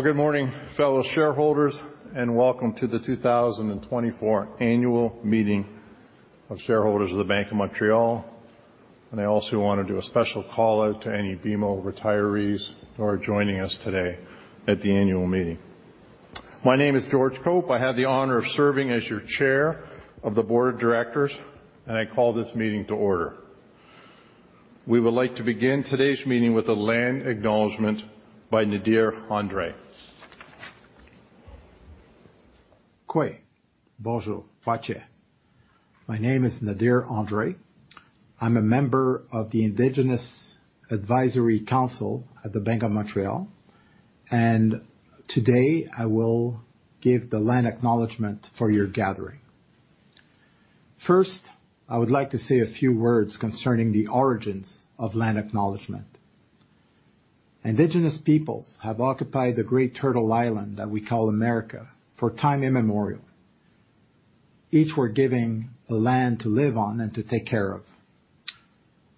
Good morning, fellow shareholders, and welcome to the 2024 Annual Meeting of Shareholders of the Bank of Montreal. I also want to do a special call-out to any BMO retirees who are joining us today at the annual meeting. My name is George Cope. I have the honor of serving as your Chair of the Board of Directors, and I call this meeting to order. We would like to begin today's meeting with a land acknowledgment by Nadir André. Kweh. Bonjour. Moi, c'est. My name is Nadir André. I'm a member of the Indigenous Advisory Council at the Bank of Montreal, and today I will give the land acknowledgment for your gathering. First, I would like to say a few words concerning the origins of land acknowledgment. Indigenous peoples have occupied the great Turtle Island that we call America for time immemorial. Each were given a land to live on and to take care of.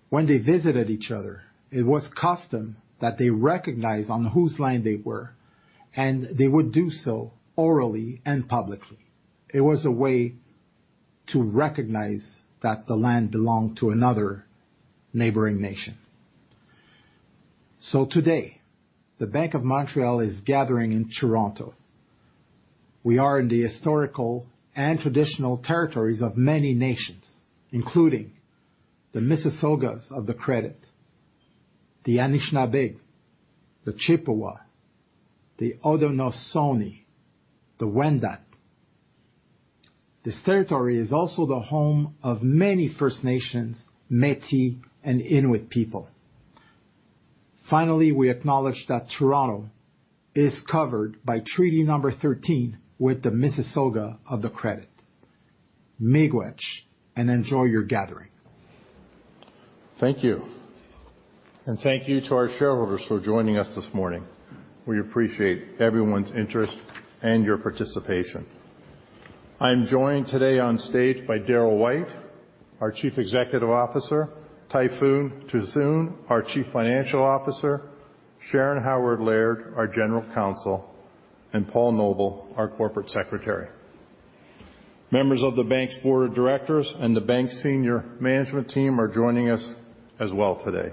When they visited each other, it was custom that they recognize on whose land they were, and they would do so orally and publicly. It was a way to recognize that the land belonged to another neighboring nation. Today, the Bank of Montreal is gathering in Toronto. We are in the historical and traditional territories of many nations, including the Mississaugas of the Credit, the Anishinaabeg, the Chippewa, the Haudenosaunee, the Wendat. This territory is also the home of many First Nations, Métis, and Inuit people. Finally, we acknowledge that Toronto is covered by Treaty Number 13 with the Mississaugas of the Credit. Miigwech, and enjoy your gathering. Thank you. Thank you to our shareholders for joining us this morning. We appreciate everyone's interest and your participation. I'm joined today on stage by Darryl White, our Chief Executive Officer; Tayfun Tuzun, our Chief Financial Officer; Sharon Haward-Laird, our General Counsel; and Paul Noble, our Corporate Secretary. Members of the bank's board of directors and the bank's senior management team are joining us as well today.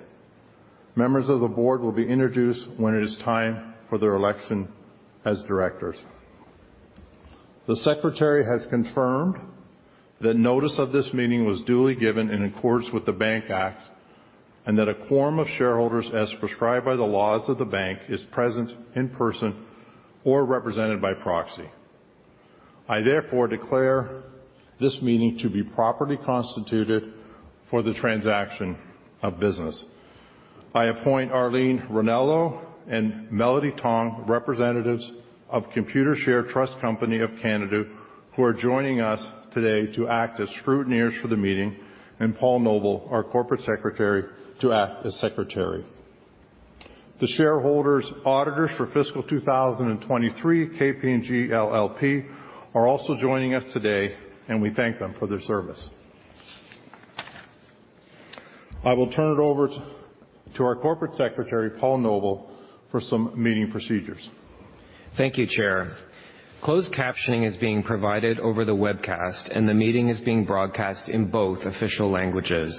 Members of the board will be introduced when it is time for their election as directors. The Secretary has confirmed that notice of this meeting was duly given in accordance with the Bank Act, and that a quorum of shareholders, as prescribed by the laws of the bank, is present in person or represented by proxy. I therefore declare this meeting to be properly constituted for the transaction of business. I appoint Arlene Rennalls and Melody Tong, representatives of Computershare Trust Company of Canada, who are joining us today to act as scrutineers for the meeting, and Paul Noble, our Corporate Secretary, to act as secretary. The shareholders' auditors for Fiscal 2023, KPMG LLP, are also joining us today, and we thank them for their service. I will turn it over to our Corporate Secretary, Paul Noble, for some meeting procedures. Thank you, Chair. Closed captioning is being provided over the webcast, and the meeting is being broadcast in both official languages.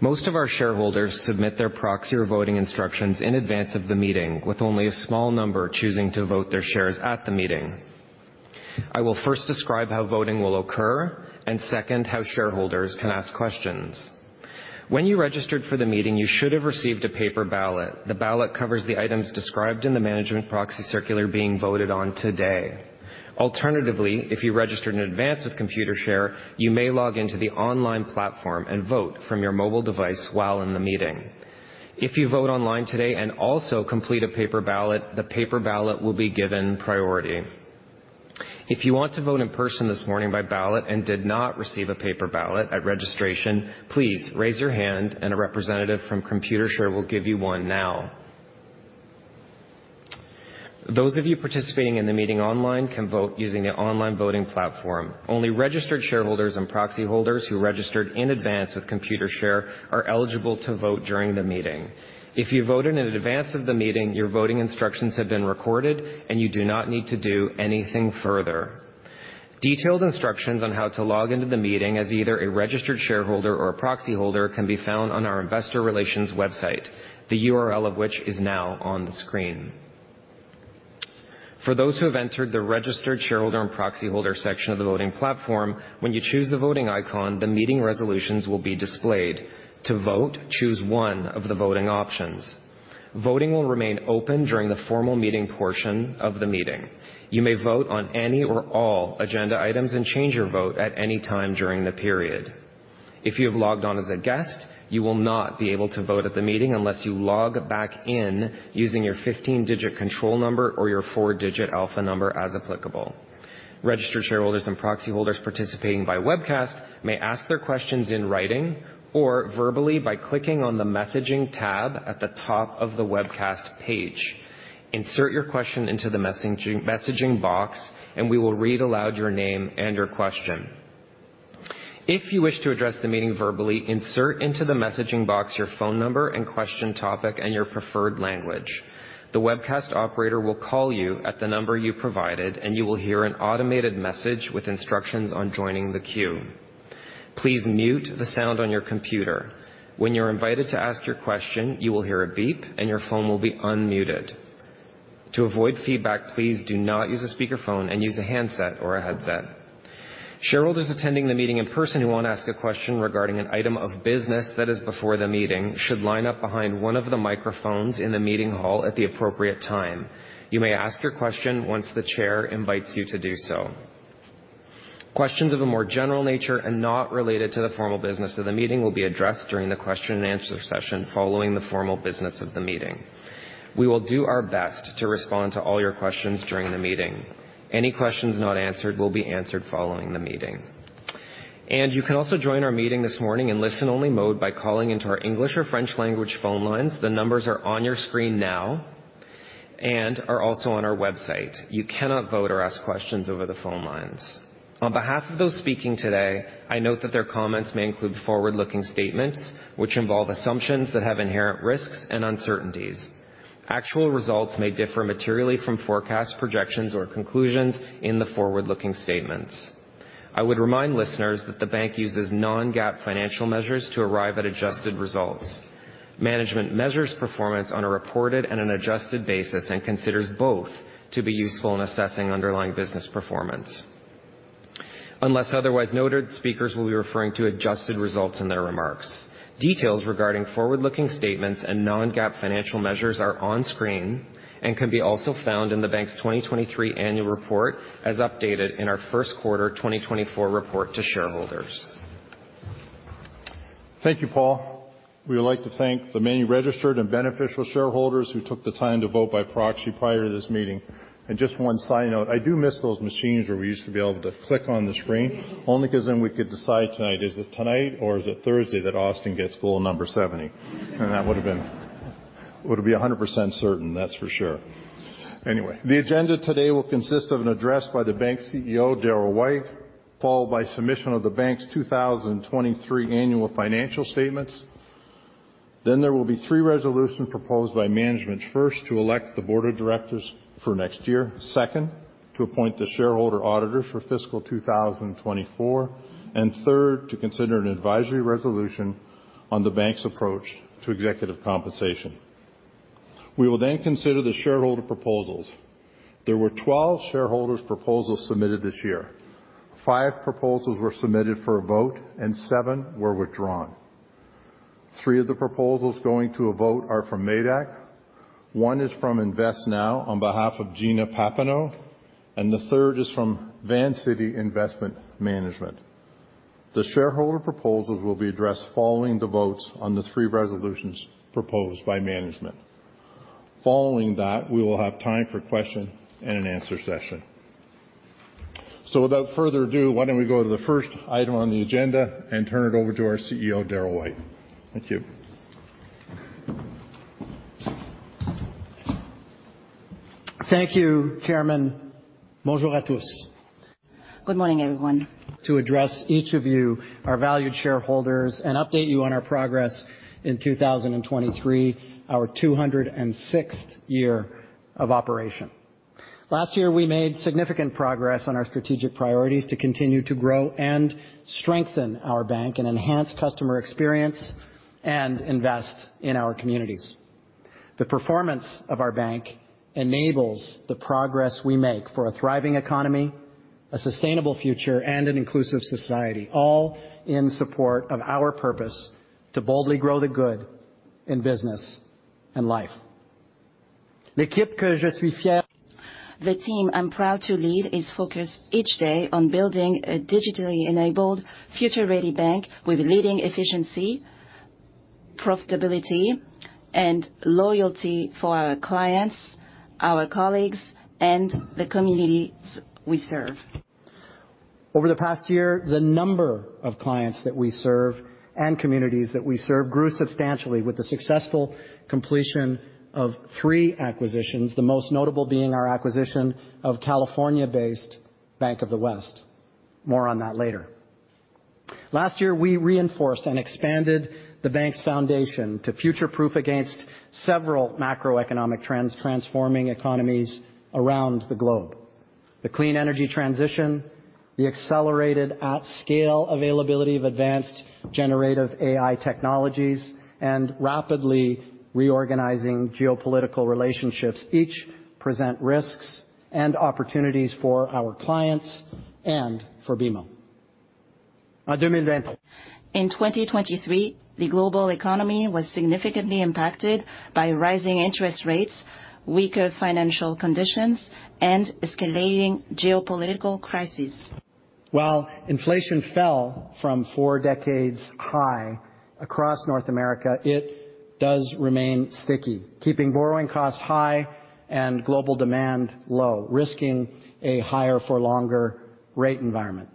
Most of our shareholders submit their proxy or voting instructions in advance of the meeting, with only a small number choosing to vote their shares at the meeting. I will first describe how voting will occur, and second, how shareholders can ask questions. When you registered for the meeting, you should have received a paper ballot. The ballot covers the items described in the management proxy circular being voted on today. Alternatively, if you registered in advance with Computershare, you may log into the online platform and vote from your mobile device while in the meeting. If you vote online today and also complete a paper ballot, the paper ballot will be given priority. If you want to vote in person this morning by ballot and did not receive a paper ballot at registration, please raise your hand, and a representative from Computershare will give you one now. Those of you participating in the meeting online can vote using the online voting platform. Only registered shareholders and proxy holders who registered in advance with Computershare are eligible to vote during the meeting. If you voted in advance of the meeting, your voting instructions have been recorded, and you do not need to do anything further. Detailed instructions on how to log into the meeting as either a registered shareholder or a proxy holder can be found on our investor relations website, the URL of which is now on the screen. For those who have entered the registered shareholder and proxy holder section of the voting platform, when you choose the voting icon, the meeting resolutions will be displayed. To vote, choose one of the voting options. Voting will remain open during the formal meeting portion of the meeting. You may vote on any or all agenda items and change your vote at any time during the period. If you have logged on as a guest, you will not be able to vote at the meeting unless you log back in using your 15-digit control number or your four-digit alpha number as applicable. Registered shareholders and proxy holders participating by webcast may ask their questions in writing or verbally by clicking on the messaging tab at the top of the webcast page. Insert your question into the messaging box, and we will read aloud your name and your question. If you wish to address the meeting verbally, insert into the messaging box your phone number and question topic and your preferred language. The webcast operator will call you at the number you provided, and you will hear an automated message with instructions on joining the queue. Please mute the sound on your computer. When you're invited to ask your question, you will hear a beep, and your phone will be unmuted. To avoid feedback, please do not use a speakerphone and use a handset or a headset. Shareholders attending the meeting in person who want to ask a question regarding an item of business that is before the meeting should line up behind one of the microphones in the meeting hall at the appropriate time. You may ask your question once the chair invites you to do so. Questions of a more general nature and not related to the formal business of the meeting will be addressed during the question and answer session following the formal business of the meeting. We will do our best to respond to all your questions during the meeting. Any questions not answered will be answered following the meeting. You can also join our meeting this morning in listen-only mode by calling into our English or French language phone lines. The numbers are on your screen now and are also on our website. You cannot vote or ask questions over the phone lines. On behalf of those speaking today, I note that their comments may include forward-looking statements which involve assumptions that have inherent risks and uncertainties. Actual results may differ materially from forecast projections or conclusions in the forward-looking statements. I would remind listeners that the bank uses non-GAAP financial measures to arrive at adjusted results. Management measures performance on a reported and an adjusted basis and considers both to be useful in assessing underlying business performance. Unless otherwise noted, speakers will be referring to adjusted results in their remarks. Details regarding forward-looking statements and non-GAAP financial measures are on screen and can also be found in the bank's 2023 annual report as updated in our first quarter 2024 report to shareholders. Thank you, Paul. We would like to thank the many registered and beneficial shareholders who took the time to vote by proxy prior to this meeting. Just one side note, I do miss those machines where we used to be able to click on the screen only because then we could decide tonight, is it tonight or is it Thursday that Auston gets goal number 70? That would have been 100% certain, that's for sure. Anyway, the agenda today will consist of an address by the Bank CEO, Darryl White, followed by submission of the bank's 2023 annual financial statements. Then there will be three resolutions proposed by management: first, to elect the Board of Directors for next year; second, to appoint the shareholder auditor for Fiscal 2024; and third, to consider an advisory resolution on the bank's approach to executive compensation. We will then consider the shareholder proposals. There were 12 shareholders' proposals submitted this year. Five proposals were submitted for a vote, and seven were withdrawn. Three of the proposals going to a vote are from MÉDAC. One is from InvestNow on behalf of Gina Pappano, and the third is from Vancity Investment Management. The shareholder proposals will be addressed following the votes on the three resolutions proposed by management. Following that, we will have time for question and answer session. Without further ado, why don't we go to the first item on the agenda and turn it over to our CEO, Darryl White? Thank you. Thank you, Chairman. Bonjour à tous. Good morning, everyone. To address each of you, our valued shareholders, and update you on our progress in 2023, our 206th year of operation. Last year, we made significant progress on our strategic priorities to continue to grow and strengthen our bank and enhance customer experience and invest in our communities. The performance of our bank enables the progress we make for a thriving economy, a sustainable future, and an inclusive society, all in support of our purpose to boldly grow the good in business and life. The team I'm proud to lead is focused each day on building a digitally enabled, future-ready bank with leading efficiency, profitability, and loyalty for our clients, our colleagues, and the communities we serve. Over the past year, the number of clients that we serve and communities that we serve grew substantially with the successful completion of three acquisitions, the most notable being our acquisition of California-based Bank of the West. More on that later. Last year, we reinforced and expanded the bank's foundation to future-proof against several macroeconomic trends transforming economies around the globe. The clean energy transition, the accelerated at-scale availability of advanced generative AI technologies, and rapidly reorganizing geopolitical relationships each present risks and opportunities for our clients and for BMO. In 2023, the global economy was significantly impacted by rising interest rates, weaker financial conditions, and escalating geopolitical crises. While inflation fell from four-decades high across North America, it does remain sticky, keeping borrowing costs high and global demand low, risking a higher-for-longer rate environment.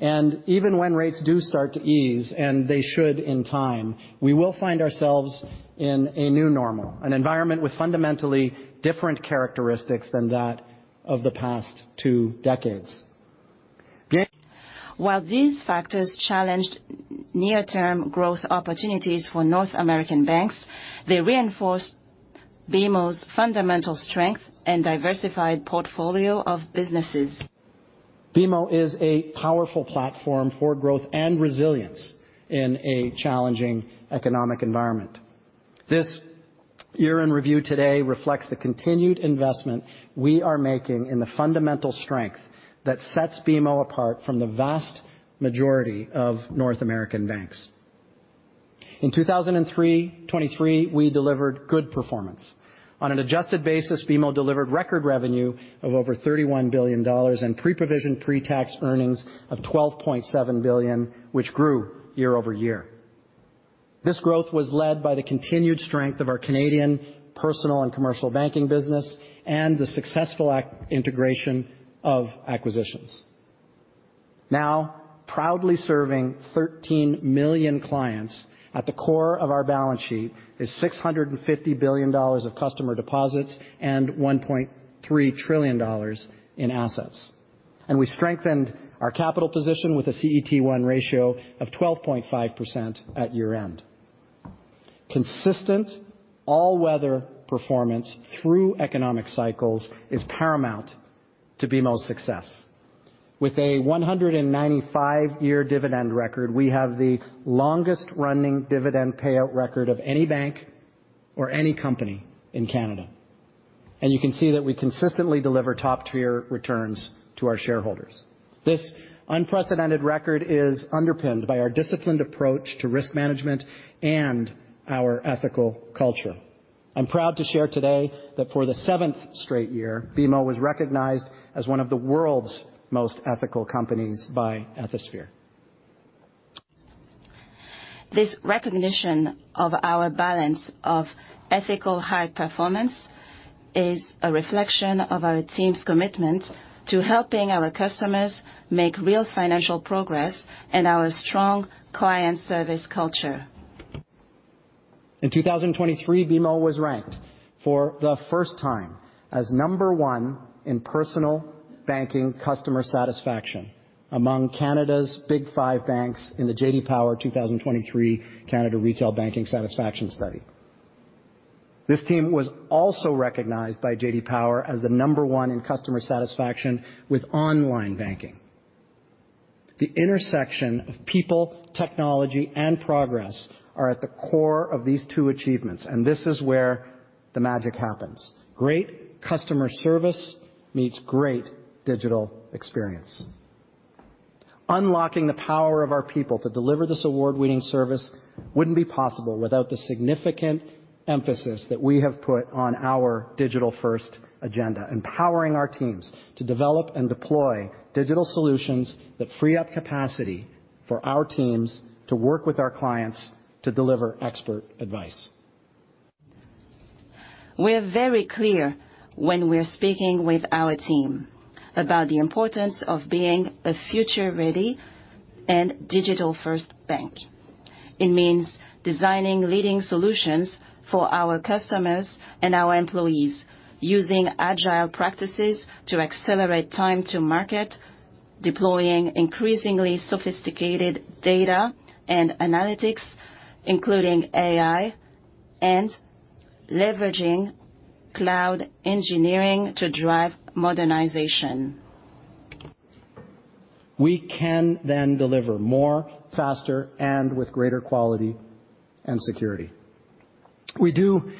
Even when rates do start to ease, and they should in time, we will find ourselves in a new normal, an environment with fundamentally different characteristics than that of the past two decades. While these factors challenged near-term growth opportunities for North American banks, they reinforced BMO's fundamental strength and diversified portfolio of businesses. BMO is a powerful platform for growth and resilience in a challenging economic environment. This year-in-review today reflects the continued investment we are making in the fundamental strength that sets BMO apart from the vast majority of North American banks. In 2023, we delivered good performance. On an adjusted basis, BMO delivered record revenue of over $31 billion and pre-provisioned pre-tax earnings of $12.7 billion, which grew year-over-year. This growth was led by the continued strength of our Canadian personal and commercial banking business and the successful integration of acquisitions. Now, proudly serving 13 million clients, at the core of our balance sheet is $650 billion of customer deposits and $1.3 trillion in assets. We strengthened our capital position with a CET1 ratio of 12.5% at year-end. Consistent, all-weather performance through economic cycles is paramount to BMO's success. With a 195-year dividend record, we have the longest-running dividend payout record of any bank or any company in Canada. And you can see that we consistently deliver top-tier returns to our shareholders. This unprecedented record is underpinned by our disciplined approach to risk management and our ethical culture. I'm proud to share today that for the seventh straight year, BMO was recognized as one of the world's most ethical companies by Ethisphere. This recognition of our balance of ethical high performance is a reflection of our team's commitment to helping our customers make real financial progress and our strong client service culture. In 2023, BMO was ranked for the first time as number one in personal banking customer satisfaction among Canada's Big Five banks in the J.D. Power 2023 Canada Retail Banking Satisfaction Study. This team was also recognized by J.D. Power as the number one in customer satisfaction with online banking. The intersection of people, technology, and progress are at the core of these two achievements, and this is where the magic happens. Great customer service meets great digital experience. Unlocking the power of our people to deliver this award-winning service wouldn't be possible without the significant emphasis that we have put on our digital-first agenda, empowering our teams to develop and deploy digital solutions that free up capacity for our teams to work with our clients to deliver expert advice. We're very clear when we're speaking with our team about the importance of being a future-ready and digital-first bank. It means designing leading solutions for our customers and our employees, using agile practices to accelerate time-to-market, deploying increasingly sophisticated data and analytics, including AI, and leveraging cloud engineering to drive modernization. We can then deliver more, faster, and with greater quality and security. We do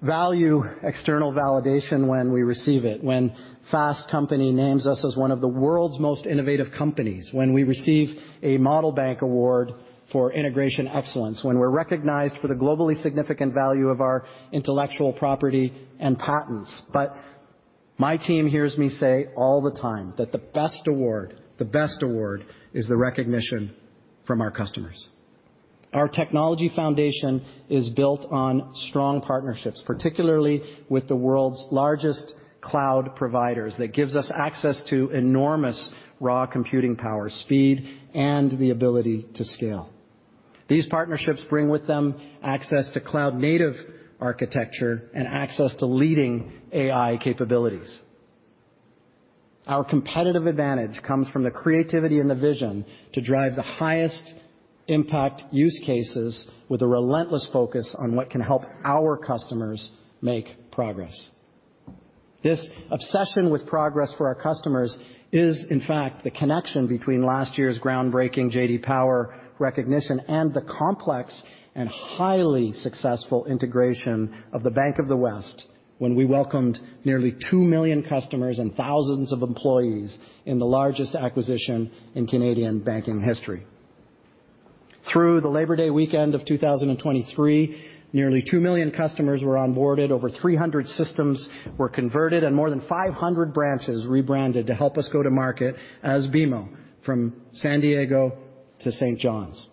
value external validation when we receive it, when Fast Company names us as one of the world's most innovative companies, when we receive a Model Bank Award for integration excellence, when we're recognized for the globally significant value of our intellectual property and patents. But my team hears me say all the time that the best award, the best award, is the recognition from our customers. Our technology foundation is built on strong partnerships, particularly with the world's largest cloud providers. That gives us access to enormous raw computing power, speed, and the ability to scale. These partnerships bring with them access to cloud-native architecture and access to leading AI capabilities. Our competitive advantage comes from the creativity and the vision to drive the highest-impact use cases with a relentless focus on what can help our customers make progress. This obsession with progress for our customers is, in fact, the connection between last year's groundbreaking J.D. Power recognition and the complex and highly successful integration of the Bank of the West when we welcomed nearly 2 million customers and thousands of employees in the largest acquisition in Canadian banking history. Through the Labor Day weekend of 2023, nearly 2 million customers were onboarded, over 300 systems were converted, and more than 500 branches rebranded to help us go to market as BMO from San Diego to St. John's.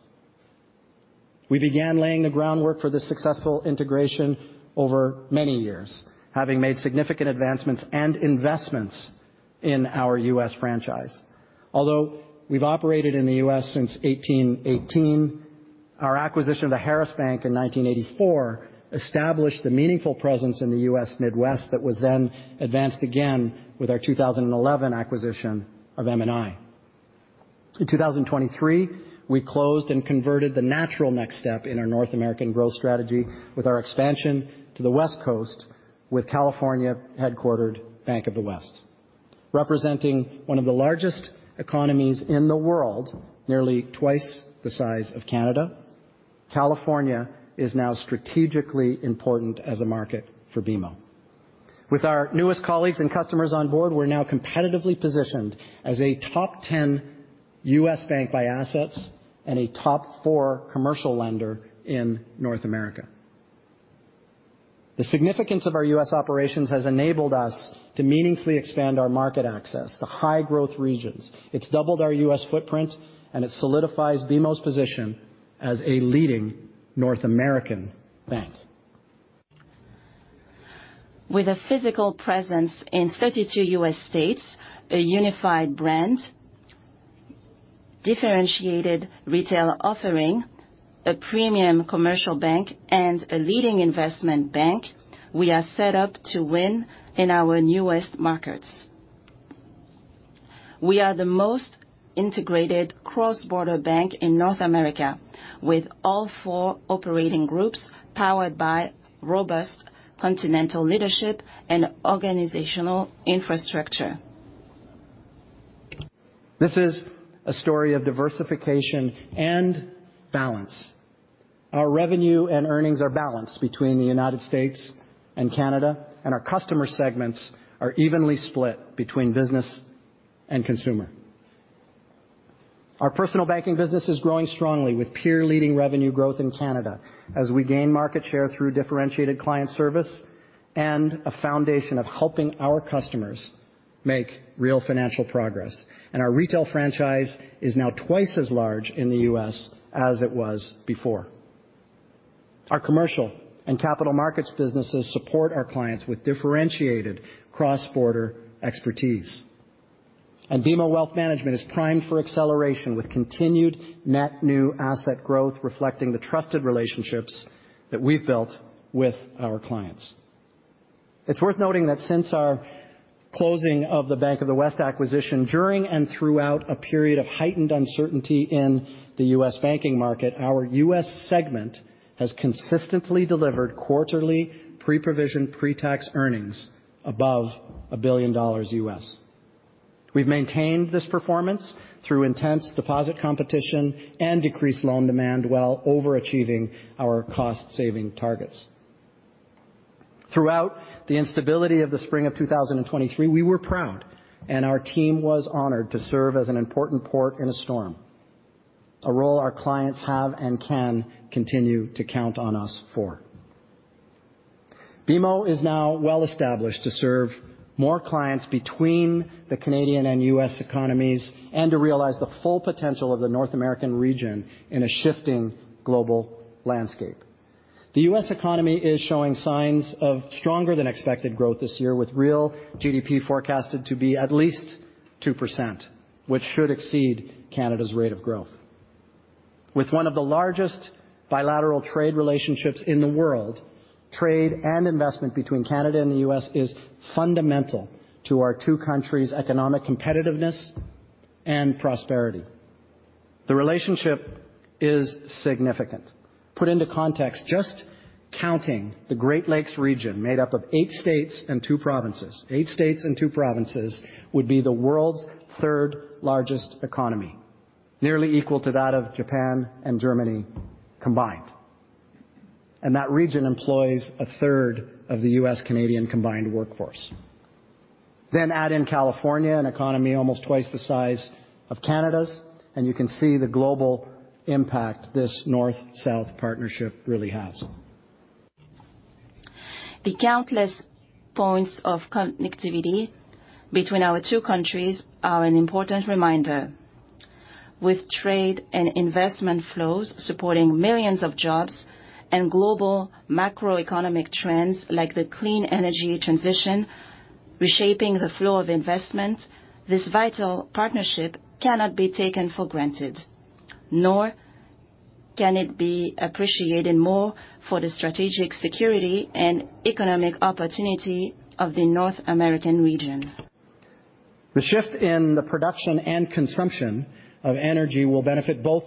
We began laying the groundwork for this successful integration over many years, having made significant advancements and investments in our U.S. franchise. Although we've operated in the U.S. since 1818, our acquisition of the Harris Bank in 1984 established the meaningful presence in the U.S. Midwest that was then advanced again with our 2011 acquisition of M&I. In 2023, we closed and converted the natural next step in our North American growth strategy with our expansion to the West Coast with California-headquartered Bank of the West. Representing one of the largest economies in the world, nearly twice the size of Canada, California is now strategically important as a market for BMO. With our newest colleagues and customers on board, we're now competitively positioned as a top 10 U.S. bank by assets and a top 4 commercial lender in North America. The significance of our U.S. operations has enabled us to meaningfully expand our market access to high-growth regions. It's doubled our U.S. footprint, and it solidifies BMO's position as a leading North American bank. With a physical presence in 32 U.S. states, a unified brand, differentiated retail offering, a premium commercial bank, and a leading investment bank, we are set up to win in our newest markets. We are the most integrated cross-border bank in North America, with all four operating groups powered by robust continental leadership and organizational infrastructure. This is a story of diversification and balance. Our revenue and earnings are balanced between the United States and Canada, and our customer segments are evenly split between business and consumer. Our personal banking business is growing strongly, with peer-leading revenue growth in Canada as we gain market share through differentiated client service and a foundation of helping our customers make real financial progress. Our retail franchise is now twice as large in the US as it was before. Our commercial and capital markets businesses support our clients with differentiated cross-border expertise. BMO Wealth Management is primed for acceleration with continued net new asset growth reflecting the trusted relationships that we've built with our clients. It's worth noting that since our closing of the Bank of the West acquisition, during and throughout a period of heightened uncertainty in the US banking market, our US segment has consistently delivered quarterly pre-provision pre-tax earnings above $1 billion US. We've maintained this performance through intense deposit competition and decreased loan demand while overachieving our cost-saving targets. Throughout the instability of the spring of 2023, we were proud, and our team was honored to serve as an important port in a storm, a role our clients have and can continue to count on us for. BMO is now well-established to serve more clients between the Canadian and US economies and to realize the full potential of the North American region in a shifting global landscape. The US economy is showing signs of stronger-than-expected growth this year, with real GDP forecasted to be at least 2%, which should exceed Canada's rate of growth. With one of the largest bilateral trade relationships in the world, trade and investment between Canada and the US is fundamental to our two countries' economic competitiveness and prosperity. The relationship is significant. Put into context, just counting the Great Lakes region made up of eight states and two provinces, eight states and two provinces would be the world's third-largest economy, nearly equal to that of Japan and Germany combined. That region employs a third of the US-Canadian combined workforce. Then add in California, an economy almost twice the size of Canada's, and you can see the global impact this north-south partnership really has. The countless points of connectivity between our two countries are an important reminder. With trade and investment flows supporting millions of jobs and global macroeconomic trends like the clean energy transition reshaping the flow of investment, this vital partnership cannot be taken for granted, nor can it be more appreciated for the strategic security and economic opportunity of the North American region. The shift in the production and consumption of energy will benefit both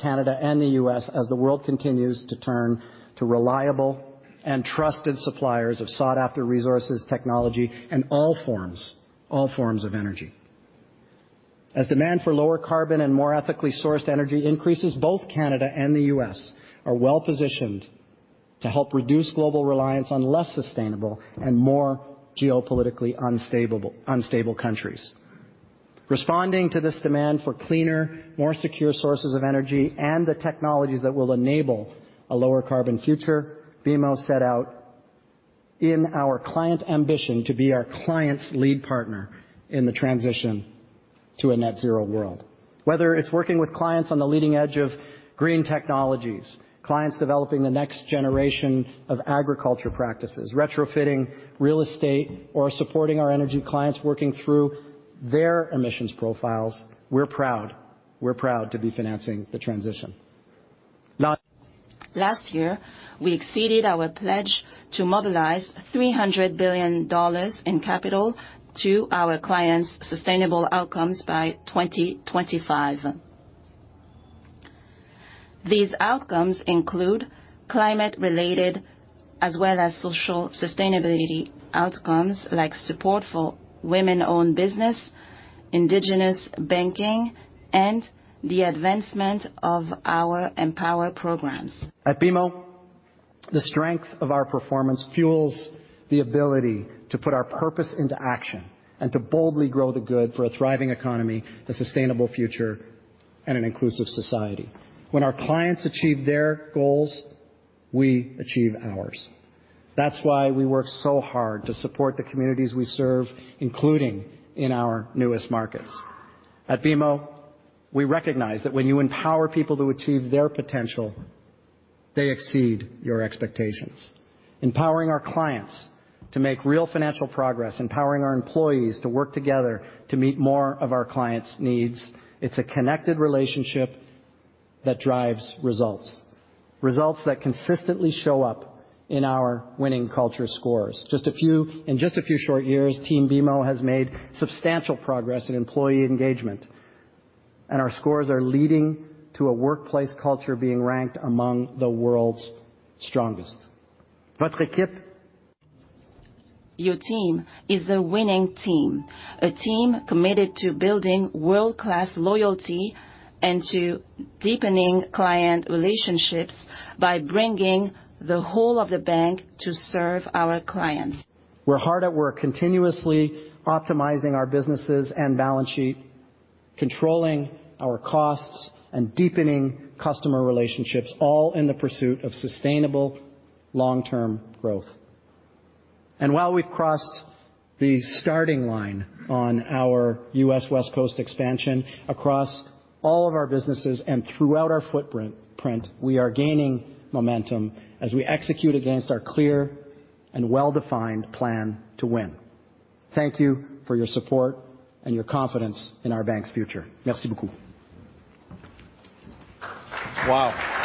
Canada and the US as the world continues to turn to reliable and trusted suppliers of sought-after resources, technology, and all forms of energy. As demand for lower carbon and more ethically sourced energy increases, both Canada and the US are well-positioned to help reduce global reliance on less sustainable and more geopolitically unstable countries. Responding to this demand for cleaner, more secure sources of energy and the technologies that will enable a lower carbon future, BMO set out in our client ambition to be our client's lead partner in the transition to a net-zero world. Whether it's working with clients on the leading edge of green technologies, clients developing the next generation of agriculture practices, retrofitting real estate, or supporting our energy clients working through their emissions profiles, we're proud to be financing the transition. Last year, we exceeded our pledge to mobilize $300 billion in capital to our clients' sustainable outcomes by 2025. These outcomes include climate-related as well as social sustainability outcomes like support for women-owned business, indigenous banking, and the advancement of our Empower programs. At BMO, the strength of our performance fuels the ability to put our purpose into action and to boldly grow the good for a thriving economy, a sustainable future, and an inclusive society. When our clients achieve their goals, we achieve ours. That's why we work so hard to support the communities we serve, including in our newest markets. At BMO, we recognize that when you empower people to achieve their potential, they exceed your expectations. Empowering our clients to make real financial progress, empowering our employees to work together to meet more of our clients' needs, it's a connected relationship that drives results, results that consistently show up in our winning culture scores. In just a few short years, Team BMO has made substantial progress in employee engagement, and our scores are leading to a workplace culture being ranked among the world's strongest. Your team is a winning team, a team committed to building world-class loyalty and to deepening client relationships by bringing the whole of the bank to serve our clients. We're hard at work continuously optimizing our businesses and balance sheet, controlling our costs, and deepening customer relationships, all in the pursuit of sustainable long-term growth. While we've crossed the starting line on our US West Coast expansion, across all of our businesses and throughout our footprint, we are gaining momentum as we execute against our clear and well-defined plan to win. Thank you for your support and your confidence in our bank's future. Merci beaucoup. Wow.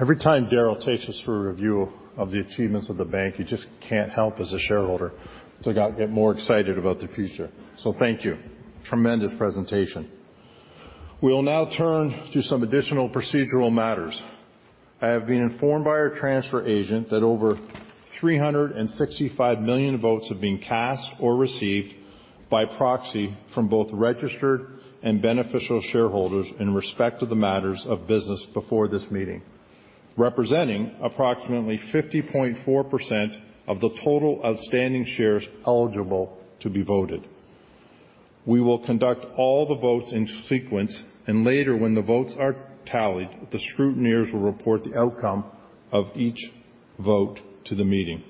Every time Darryl takes us for a review of the achievements of the bank, you just can't help as a shareholder to get more excited about the future. So thank you. Tremendous presentation. We'll now turn to some additional procedural matters. I have been informed by our transfer agent that over 365 million votes have been cast or received by proxy from both registered and beneficial shareholders in respect of the matters of business before this meeting, representing approximately 50.4% of the total outstanding shares eligible to be voted. We will conduct all the votes in sequence, and later when the votes are tallied, the scrutineers will report the outcome of each vote to the meeting.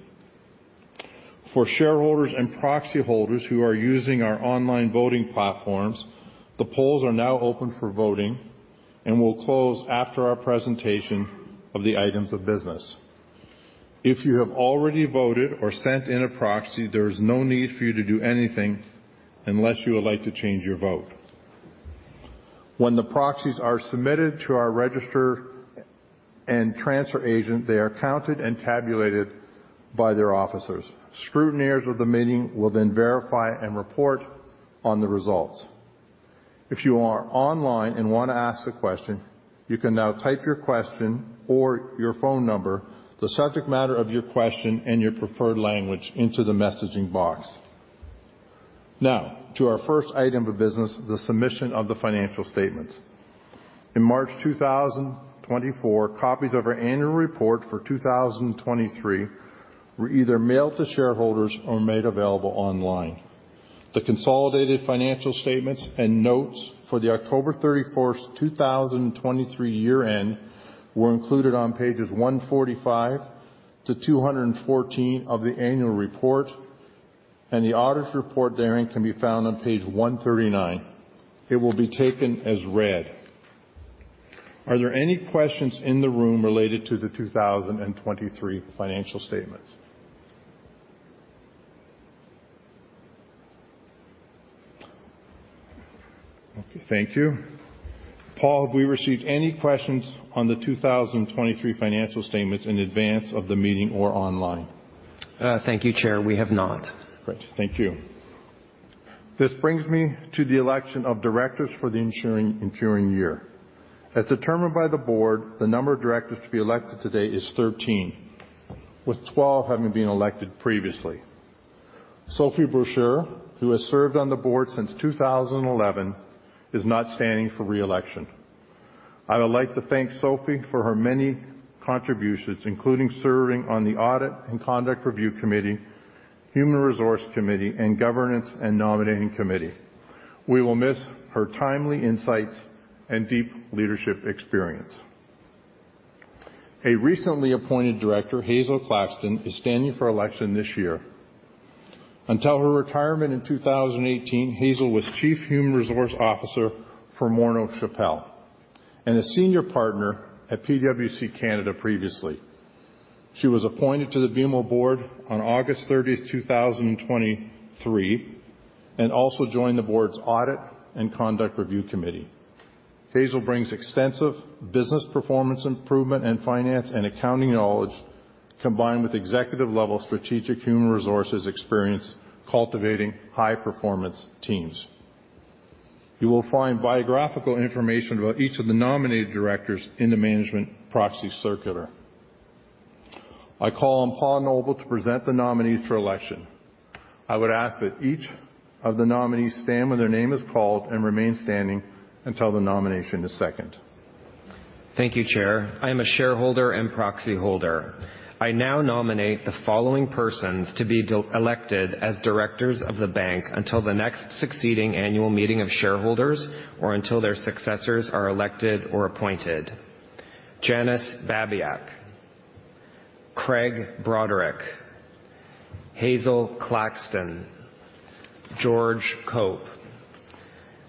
For shareholders and proxy holders who are using our online voting platforms, the polls are now open for voting and will close after our presentation of the items of business. If you have already voted or sent in a proxy, there is no need for you to do anything unless you would like to change your vote. When the proxies are submitted to our registrar and transfer agent, they are counted and tabulated by their officers. Scrutineers of the meeting will then verify and report on the results. If you are online and want to ask a question, you can now type your question or your phone number, the subject matter of your question, and your preferred language into the messaging box. Now, to our first item of business, the submission of the financial statements. In March 2024, copies of our annual report for 2023 were either mailed to shareholders or made available online. The consolidated financial statements and notes for the October 31st, 2023 year-end were included on pages 145 to 214 of the annual report, and the audit report therein can be found on page 139. It will be taken as read. Are there any questions in the room related to the 2023 financial statements? Okay. Thank you. Paul, have we received any questions on the 2023 financial statements in advance of the meeting or online? Thank you, Chair. We have not. Great. Thank you. This brings me to the election of directors for the ensuing year. As determined by the board, the number of directors to be elected today is 13, with 12 having been elected previously. Sophie Brochu, who has served on the board since 2011, is not standing for reelection. I would like to thank Sophie for her many contributions, including serving on the Audit and Conduct Review Committee, Human Resource Committee, and Governance and Nominating Committee. We will miss her timely insights and deep leadership experience. A recently appointed director, Hazel Claxton, is standing for election this year. Until her retirement in 2018, Hazel was Chief Human Resource Officer for Morneau Shepell and a senior partner at PwC Canada previously. She was appointed to the BMO board on August 30th, 2023, and also joined the board's Audit and Conduct Review Committee. Hazel brings extensive business performance improvement and finance and accounting knowledge combined with executive-level strategic human resources experience cultivating high-performance teams. You will find biographical information about each of the nominated directors in the management proxy circular. I call on Paul Noble to present the nominees for election. I would ask that each of the nominees stand when their name is called and remain standing until the nomination is seconded. Thank you, Chair. I am a shareholder and proxy holder. I now nominate the following persons to be elected as directors of the bank until the next succeeding annual meeting of shareholders or until their successors are elected or appointed: Janice Babiak, Craig Broderick, Hazel Claxton, George Cope,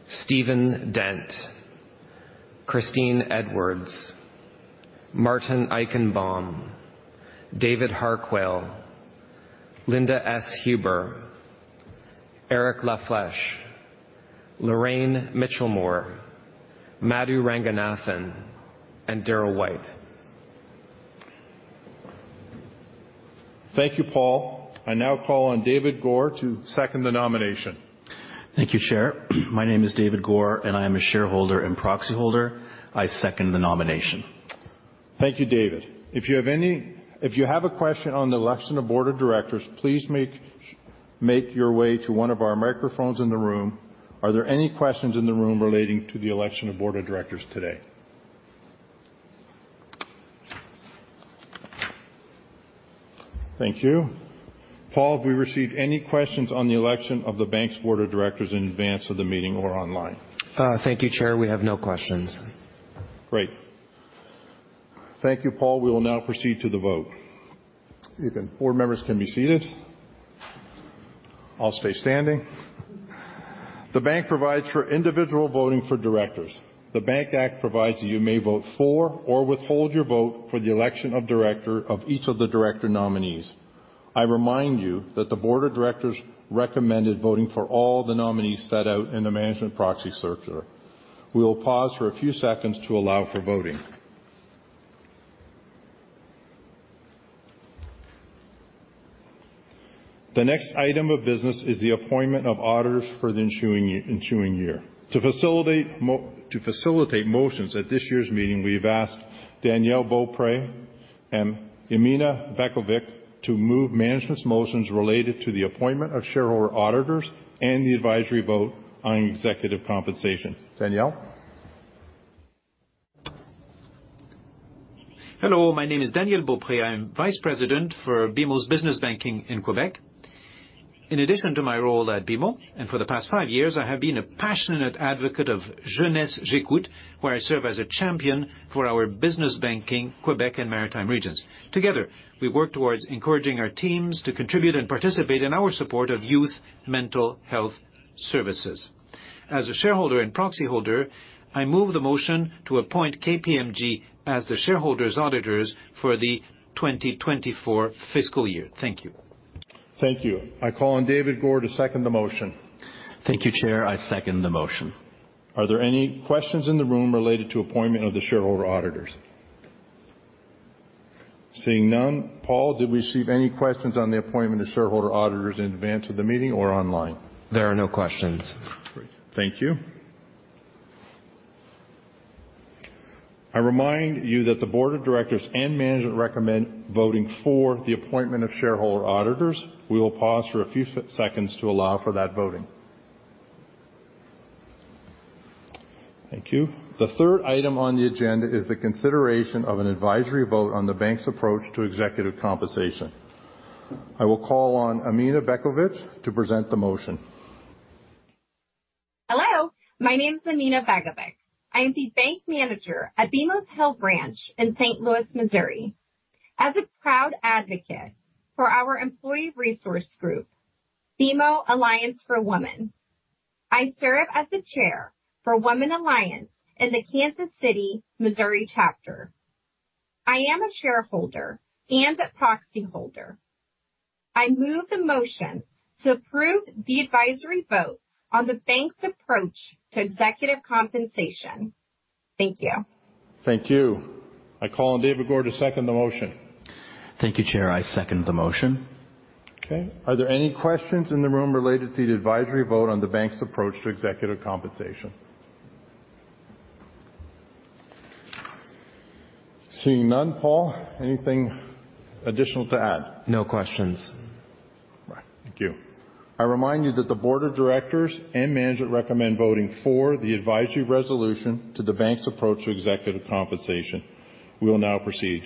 Stephen Dent, Christine Edwards, Martin Eichenbaum, David Harquail, Linda S. Huber, Eric La Flèche, Lorraine Mitchelmore, Madhu Ranganathan, and Darryl White. Thank you, Paul. I now call on David Gore to second the nomination. Thank you, Chair. My name is David Gore, and I am a shareholder and proxy holder. I second the nomination. Thank you, David. If you have any question on the election of board of directors, please make your way to one of our microphones in the room. Are there any questions in the room relating to the election of board of directors today? Thank you. Paul, have we received any questions on the election of the bank's board of directors in advance of the meeting or online? Thank you, Chair. We have no questions. Great. Thank you, Paul. We will now proceed to the vote. Board members can be seated. I'll stay standing. The Bank Act provides for individual voting for directors. The Bank Act provides that you may vote for or withhold your vote for the election of each of the director nominees. I remind you that the board of directors recommended voting for all the nominees set out in the management proxy circular. We will pause for a few seconds to allow for voting. The next item of business is the appointment of auditors for the ensuing year. To facilitate motions at this year's meeting, we have asked Daniel Beaupré and Emina Bekovic to move management's motions related to the appointment of shareholder auditors and the advisory vote on executive compensation. Danielle? Hello. My name is Daniel Beaupré. I'm Vice President for BMO's business banking in Quebec. In addition to my role at BMO, and for the past five years, I have been a passionate advocate of Jeunesse J'écoute, where I serve as a champion for our business banking, Quebec and maritime regions. Together, we work towards encouraging our teams to contribute and participate in our support of youth mental health services. As a shareholder and proxy holder, I move the motion to appoint KPMG as the shareholders' auditors for the 2024 fiscal year. Thank you. Thank you. I call on David Gore to second the motion. Thank you, Chair. I second the motion. Are there any questions in the room related to appointment of the shareholder auditors? Seeing none, Paul, did we receive any questions on the appointment of shareholder auditors in advance of the meeting or online? There are no questions. Great. Thank you. I remind you that the board of directors and management recommend voting for the appointment of shareholder auditors. We will pause for a few seconds to allow for that voting. Thank you. The third item on the agenda is the consideration of an advisory vote on the bank's approach to executive compensation. I will call on Emina Begovic to present the motion. Hello. My name is Emina Bekovic. I am the bank manager at BMO's Hill Branch in St. Louis, Missouri. As a proud advocate for our employee resource group, BMO Alliance for Women, I serve as the chair for Women Alliance in the Kansas City, Missouri chapter. I am a shareholder and a proxy holder. I move the motion to approve the advisory vote on the bank's approach to executive compensation. Thank you. Thank you. I call on David Gore to second the motion. Thank you, Chair. I second the motion. Okay. Are there any questions in the room related to the advisory vote on the bank's approach to executive compensation? Seeing none, Paul, anything additional to add? No questions. All right. Thank you. I remind you that the board of directors and management recommend voting for the advisory resolution to the bank's approach to executive compensation. We will now proceed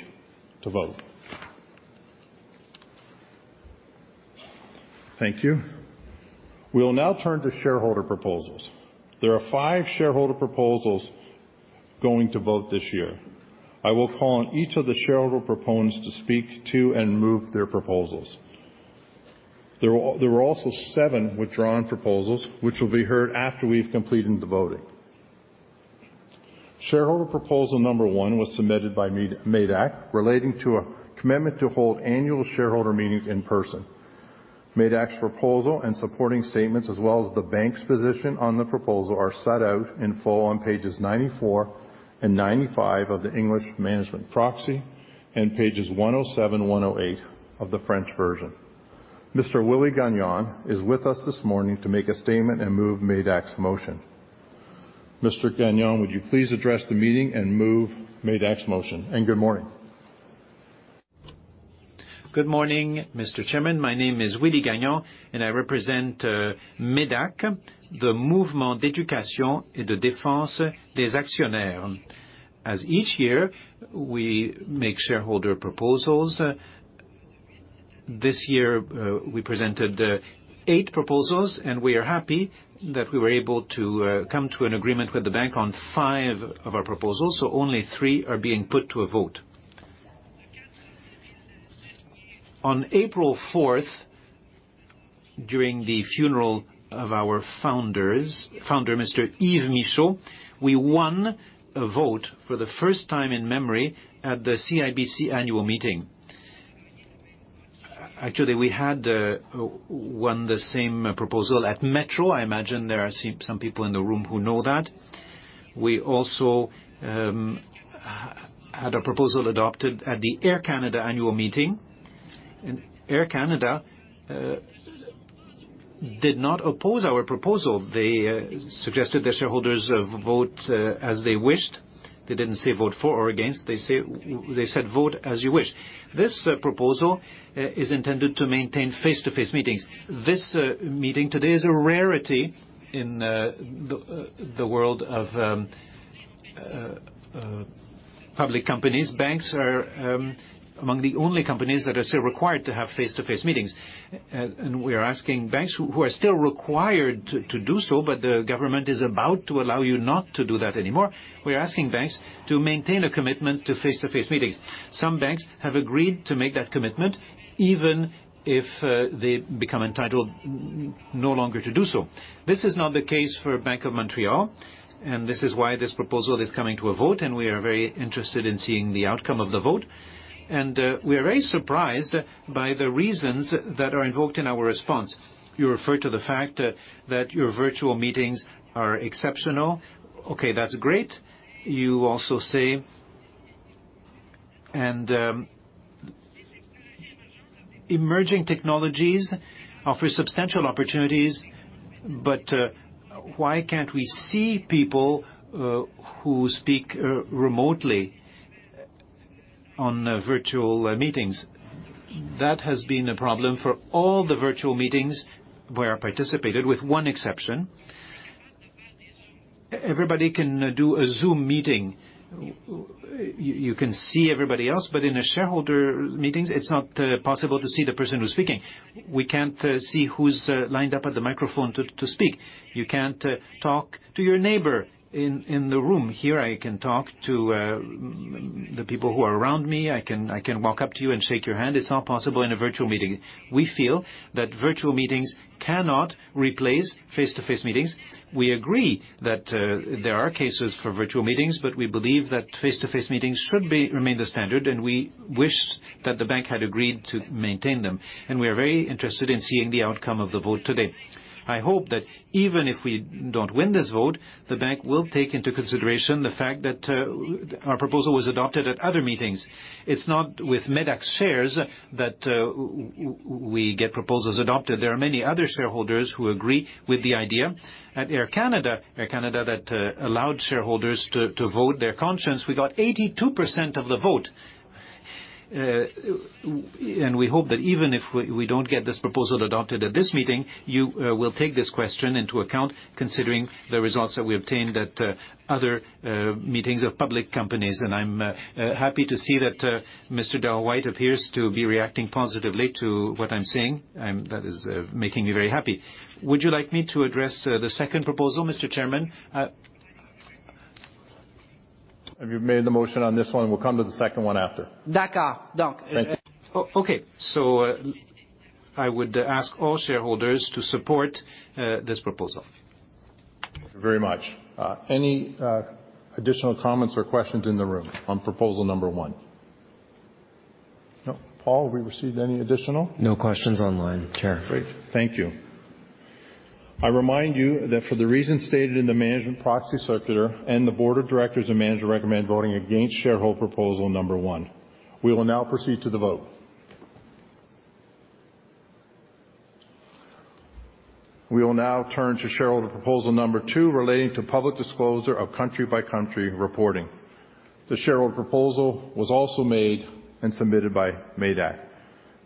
to vote. Thank you. We will now turn to shareholder proposals. There are five shareholder proposals going to vote this year. I will call on each of the shareholder proponents to speak to and move their proposals. There were also seven withdrawn proposals, which will be heard after we've completed the voting. Shareholder proposal number one was submitted by MÉDAC relating to a commitment to hold annual shareholder meetings in person. MÉDAC's proposal and supporting statements, as well as the bank's position on the proposal, are set out in full on pages 94 and 95 of the English management proxy and pages 107, 108 of the French version. Mr. Willie Gagnon is with us this morning to make a statement and move MÉDAC's motion. Mr. Gagnon, would you please address the meeting and move MÉDAC's motion? And good morning. Good morning, Mr. Chairman. My name is Willie Gagnon, and I represent MÉDAC, the Mouvement d'Éducation et de Défense des Actionnaires. As each year, we make shareholder proposals. This year, we presented eight proposals, and we are happy that we were able to come to an agreement with the bank on five of our proposals, so only three are being put to a vote. On April 4th, during the funeral of our founder, Mr. Yves Michaud, we won a vote for the first time in memory at the CIBC annual meeting. Actually, we had won the same proposal at Metro. I imagine there are some people in the room who know that. We also had a proposal adopted at the Air Canada annual meeting. Air Canada did not oppose our proposal. They suggested that shareholders vote as they wished. They didn't say vote for or against. They said, "Vote as you wish." This proposal is intended to maintain face-to-face meetings. This meeting today is a rarity in the world of public companies. Banks are among the only companies that are still required to have face-to-face meetings. We are asking banks who are still required to do so, but the government is about to allow you not to do that anymore, we are asking banks to maintain a commitment to face-to-face meetings. Some banks have agreed to make that commitment even if they become entitled no longer to do so. This is not the case for Bank of Montreal, and this is why this proposal is coming to a vote, and we are very interested in seeing the outcome of the vote. We are very surprised by the reasons that are invoked in our response. You refer to the fact that your virtual meetings are exceptional. That's great. You also say, "And emerging technologies offer substantial opportunities, but why can't we see people who speak remotely on virtual meetings?" That has been a problem for all the virtual meetings where I participated, with one exception. Everybody can do a Zoom meeting. You can see everybody else, but in the shareholder meetings, it's not possible to see the person who's speaking. We can't see who's lined up at the microphone to speak. You can't talk to your neighbor in the room. Here, I can talk to the people who are around me. I can walk up to you and shake your hand. It's all possible in a virtual meeting. We feel that virtual meetings cannot replace face-to-face meetings. We agree that there are cases for virtual meetings, but we believe that face-to-face meetings should remain the standard, and we wished that the bank had agreed to maintain them. We are very interested in seeing the outcome of the vote today. I hope that even if we don't win this vote, the bank will take into consideration the fact that our proposal was adopted at other meetings. It's not with MÉDAC's shares that we get proposals adopted. There are many other shareholders who agree with the idea. At Air Canada, Air Canada that allowed shareholders to vote their conscience, we got 82% of the vote. We hope that even if we don't get this proposal adopted at this meeting, you will take this question into account considering the results that we obtained at other meetings of public companies. I'm happy to see that Mr. Darryl White appears to be reacting positively to what I'm saying. That is making me very happy. Would you like me to address the second proposal, Mr. Chairman? Have you made the motion on this one? We'll come to the second one after. D'accord. Donc. Thank you. Okay. So I would ask all shareholders to support this proposal. Thank you very much. Any additional comments or questions in the room on proposal number one? Nope. Paul, have we received any additional? No questions online, Chair. Great. Thank you. I remind you that for the reasons stated in the management proxy circular, the board of directors and management recommend voting against shareholder proposal number one. We will now proceed to the vote. We will now turn to shareholder proposal number two relating to public disclosure of country-by-country reporting. The shareholder proposal was also made and submitted by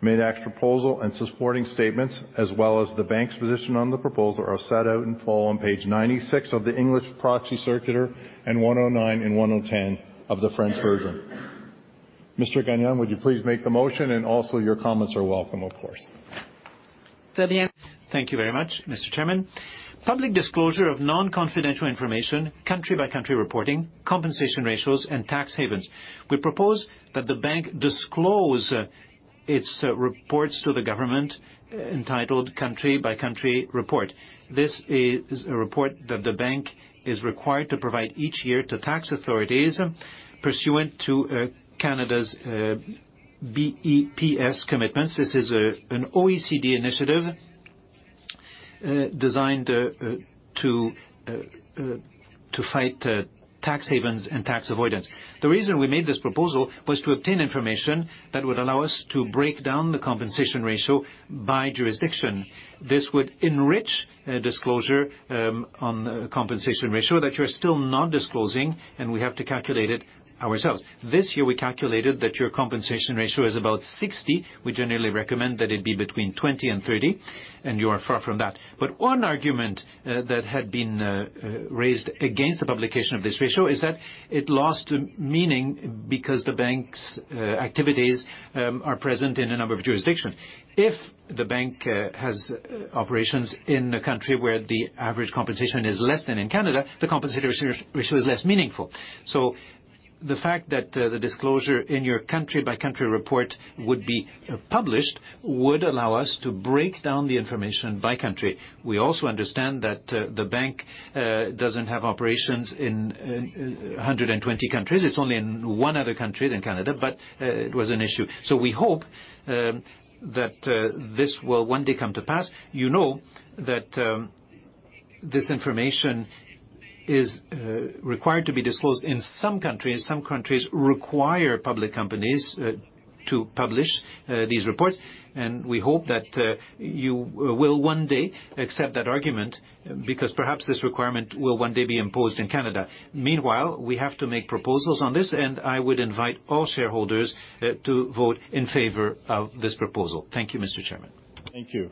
MÉDAC. MÉDAC's proposal and supporting statements, as well as the bank's position on the proposal, are set out in full on page 96 of the English proxy circular and 109 and 110 of the French version. Mr. Gagnon, would you please make the motion? Your comments are welcome, of course. Thank you very much, Mr. Chairman. Public disclosure of non-confidential information, country-by-country reporting, compensation ratios, and tax havens. We propose that the bank disclose its reports to the government entitled Country-by-Country Report. This is a report that the bank is required to provide each year to tax authorities pursuant to Canada's BEPS commitments. This is an OECD initiative designed to fight tax havens and tax avoidance. The reason we made this proposal was to obtain information that would allow us to break down the compensation ratio by jurisdiction. This would enrich disclosure on the compensation ratio that you're still not disclosing, and we have to calculate it ourselves. This year, we calculated that your compensation ratio is about 60. We generally recommend that it be between 20 and 30, and you are far from that. One argument that had been raised against the publication of this ratio is that it lost meaning because the bank's activities are present in a number of jurisdictions. If the bank has operations in a country where the average compensation is less than in Canada, the compensatory ratio is less meaningful. The fact that the disclosure in your Country-by-Country Report would be published would allow us to break down the information by country. We also understand that the bank doesn't have operations in 120 countries. It's only in one other country than Canada, but it was an issue. We hope that this will one day come to pass. You know that this information is required to be disclosed in some countries. Some countries require public companies to publish these reports, and we hope that you will one day accept that argument because perhaps this requirement will one day be imposed in Canada. Meanwhile, we have to make proposals on this, and I would invite all shareholders to vote in favor of this proposal. Thank you, Mr. Chairman. Thank you.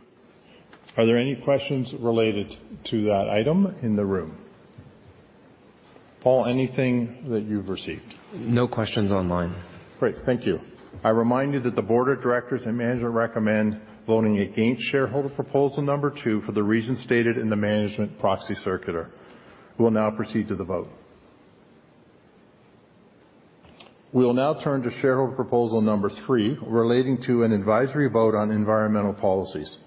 Are there any questions related to that item in the room? Paul, anything that you've received? No questions online. Great. Thank you. I remind you that the board of directors and management recommend voting against shareholder proposal number two for the reasons stated in the management proxy circular. We will now proceed to the vote. We will now turn to shareholder proposal number three relating to an advisory vote on environmental policies.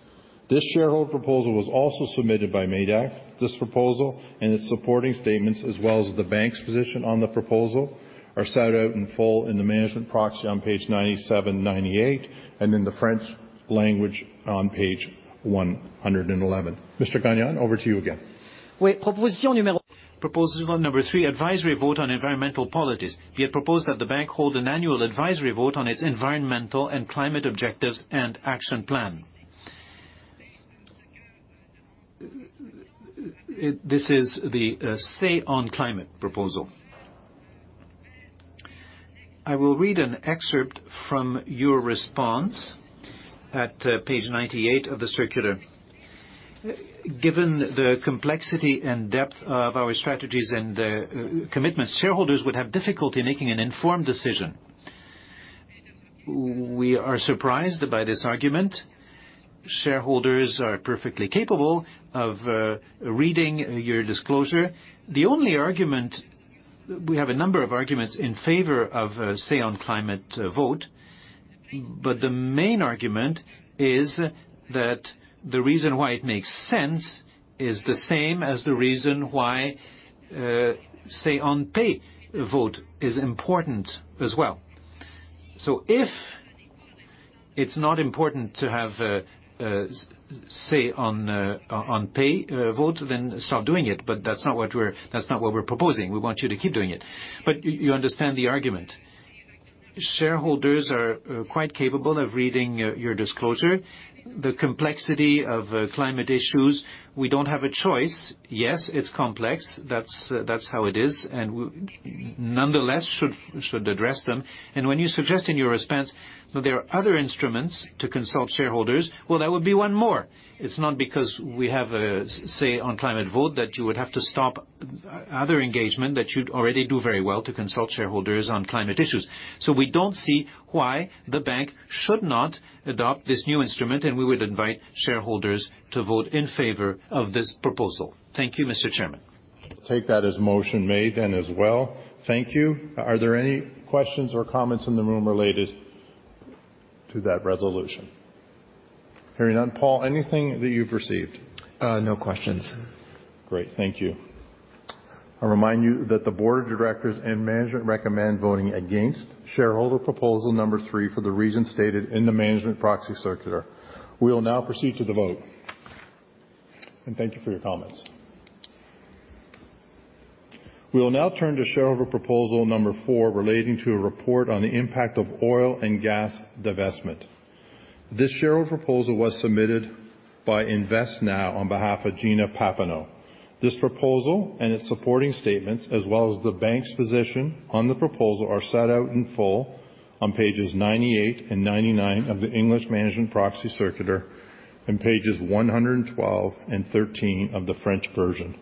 This shareholder proposal was also submitted by MÉDAC. This proposal and its supporting statements, as well as the bank's position on the proposal, are set out in full in the management proxy on page 97, 98, and in the French language on page 111. Mr. Gagnon, over to you again. Proposal number three, advisory vote on environmental policies. Be it proposed that the bank hold an annual advisory vote on its environmental and climate objectives and action plan. This is the Say on Climate proposal. I will read an excerpt from your response at page 98 of the circular. Given the complexity and depth of our strategies and commitments, shareholders would have difficulty making an informed decision. We are surprised by this argument. Shareholders are perfectly capable of reading your disclosure. We have a number of arguments in favor of Say on Climate vote, but the main argument is that the reason why it makes sense is the same as the reason why Say on Pay vote is important as well. If it's not important to have Say on Pay vote, then stop doing it, but that's not what we're proposing. We want you to keep doing it. But you understand the argument. Shareholders are quite capable of reading your disclosure. The complexity of climate issues, we don't have a choice. Yes, it's complex. That's how it is. Nonetheless, we should address them. When you suggest in your response that there are other instruments to consult shareholders, well, that would be one more. It's not because we have a Say on Climate vote that you would have to stop other engagement that you'd already do very well to consult shareholders on climate issues. So we don't see why the bank should not adopt this new instrument, and we would invite shareholders to vote in favor of this proposal. Thank you, Mr. Chairman. Take that as motion made then as well. Thank you. Are there any questions or comments in the room related to that resolution? Hearing none, Paul, anything that you've received? No questions. Great. Thank you. I remind you that the board of directors and management recommend voting against shareholder proposal number three for the reasons stated in the management proxy circular. We will now proceed to the vote. Thank you for your comments. We will now turn to shareholder proposal number four relating to a report on the impact of oil and gas divestment. This shareholder proposal was submitted by InvestNow on behalf of Gina Pappano. This proposal and its supporting statements, as well as the bank's position on the proposal, are set out in full on pages 98 and 99 of the English management proxy circular and pages 112 and 113 of the French version.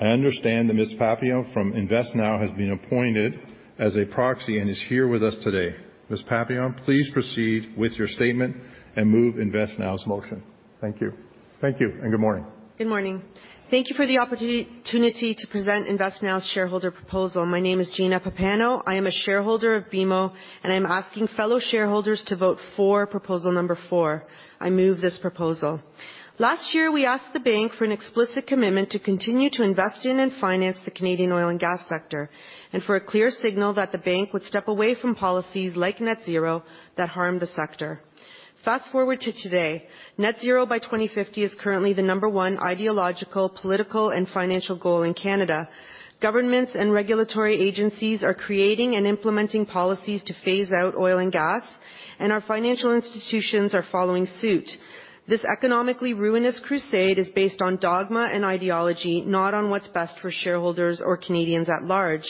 I understand that Ms. Pappano from InvestNow has been appointed as a proxy and is here with us today. Ms. Pappano, please proceed with your statement and move InvestNow's motion. Thank you. Thank you, and good morning. Good morning. Thank you for the opportunity to present InvestNow's shareholder proposal. My name is Gina Pappano. I am a shareholder of BMO, and I'm asking fellow shareholders to vote for proposal number four. I move this proposal. Last year, we asked the bank for an explicit commitment to continue to invest in and finance the Canadian oil and gas sector and for a clear signal that the bank would step away from policies like net zero that harm the sector. Fast forward to today. Net zero by 2050 is currently the number one ideological, political, and financial goal in Canada. Governments and regulatory agencies are creating and implementing policies to phase out oil and gas, and our financial institutions are following suit. This economically ruinous crusade is based on dogma and ideology, not on what's best for shareholders or Canadians at large.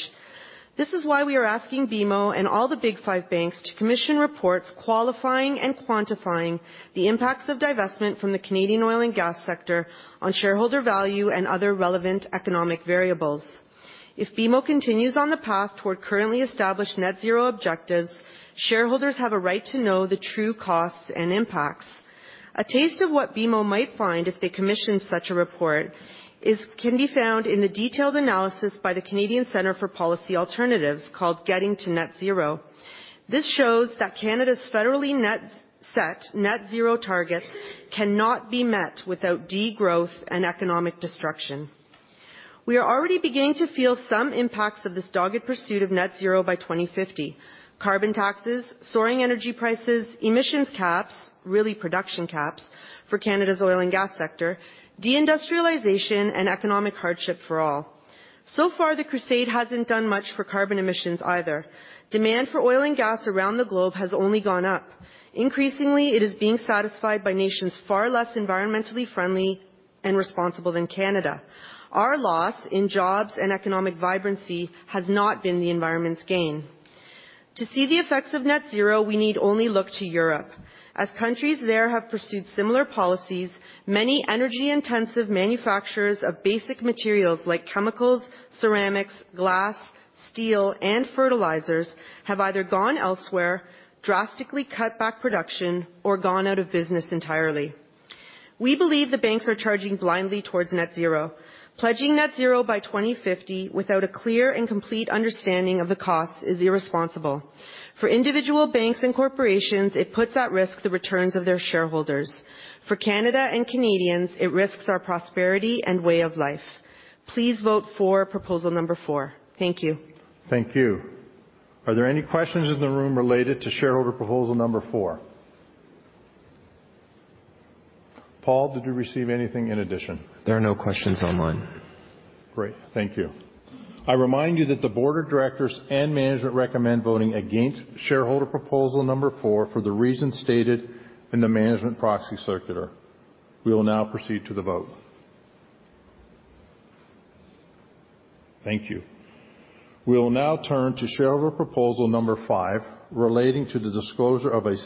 This is why we are asking BMO and all the big five banks to commission reports qualifying and quantifying the impacts of divestment from the Canadian oil and gas sector on shareholder value and other relevant economic variables. If BMO continues on the path toward currently established net zero objectives, shareholders have a right to know the true costs and impacts. A taste of what BMO might find if they commission such a report can be found in the detailed analysis by the Canadian Centre for Policy Alternatives called Getting to Net Zero. This shows that Canada's federally set net zero targets cannot be met without degrowth and economic destruction. We are already beginning to feel some impacts of this dogged pursuit of net zero by 2050: carbon taxes, soaring energy prices, emissions caps - really, production caps - for Canada's oil and gas sector, deindustrialization, and economic hardship for all. So far, the crusade hasn't done much for carbon emissions either. Demand for oil and gas around the globe has only gone up. Increasingly, it is being satisfied by nations far less environmentally friendly and responsible than Canada. Our loss in jobs and economic vibrancy has not been the environment's gain. To see the effects of net zero, we need only look to Europe. As countries there have pursued similar policies, many energy-intensive manufacturers of basic materials like chemicals, ceramics, glass, steel, and fertilizers have either gone elsewhere, drastically cut back production, or gone out of business entirely. We believe the banks are charging blindly towards net zero. Pledging net zero by 2050 without a clear and complete understanding of the costs is irresponsible. For individual banks and corporations, it puts at risk the returns of their shareholders. For Canada and Canadians, it risks our prosperity and way of life. Please vote for proposal number four. Thank you. Thank you. Are there any questions in the room related to shareholder proposal number four? Paul, did you receive anything in addition? There are no questions online. Great. Thank you. I remind you that the Board of Directors and management recommend voting against shareholder proposal number four for the reasons stated in the management proxy circular. We will now proceed to the vote. Thank you. We will now turn to shareholder proposal number five relating to the disclosure of a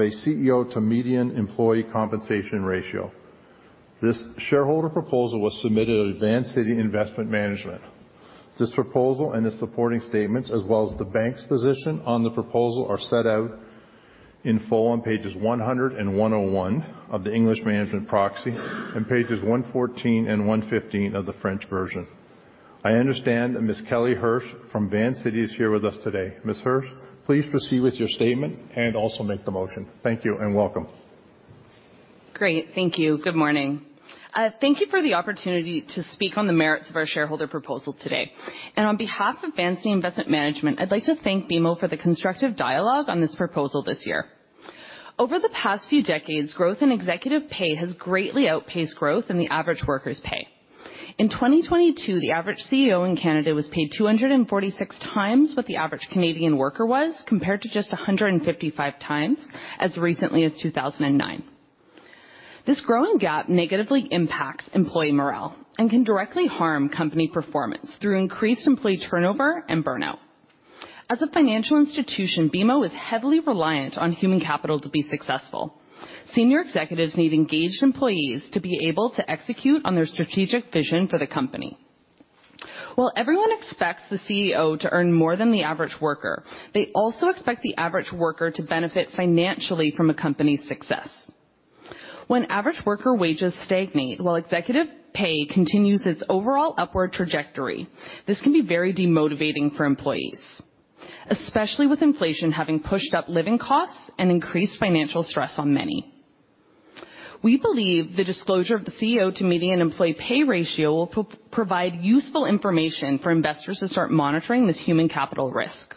CEO-to-median employee compensation ratio. This shareholder proposal was submitted to Vancity Investment Management. This proposal and its supporting statements, as well as the bank's position on the proposal, are set out in full on pages 100 and 101 of the English management proxy and pages 114 and 115 of the French version. I understand that Ms. Kelly Hirsch from Vancity is here with us today. Ms. Hirsch, please proceed with your statement and also make the motion. Thank you and welcome. Great. Thank you. Good morning. Thank you for the opportunity to speak on the merits of our shareholder proposal today. On behalf of Vancity Investment Management, I'd like to thank BMO for the constructive dialogue on this proposal this year. Over the past few decades, growth in executive pay has greatly outpaced growth in the average worker's pay. In 2022, the average CEO in Canada was paid 246 times what the average Canadian worker was compared to just 155 times as recently as 2009. This growing gap negatively impacts employee morale and can directly harm company performance through increased employee turnover and burnout. As a financial institution, BMO is heavily reliant on human capital to be successful. Senior executives need engaged employees to be able to execute on their strategic vision for the company. While everyone expects the CEO to earn more than the average worker, they also expect the average worker to benefit financially from a company's success. When average worker wages stagnate while executive pay continues its overall upward trajectory, this can be very demotivating for employees, especially with inflation having pushed up living costs and increased financial stress on many. We believe the disclosure of the CEO-to-median employee pay ratio will provide useful information for investors to start monitoring this human capital risk.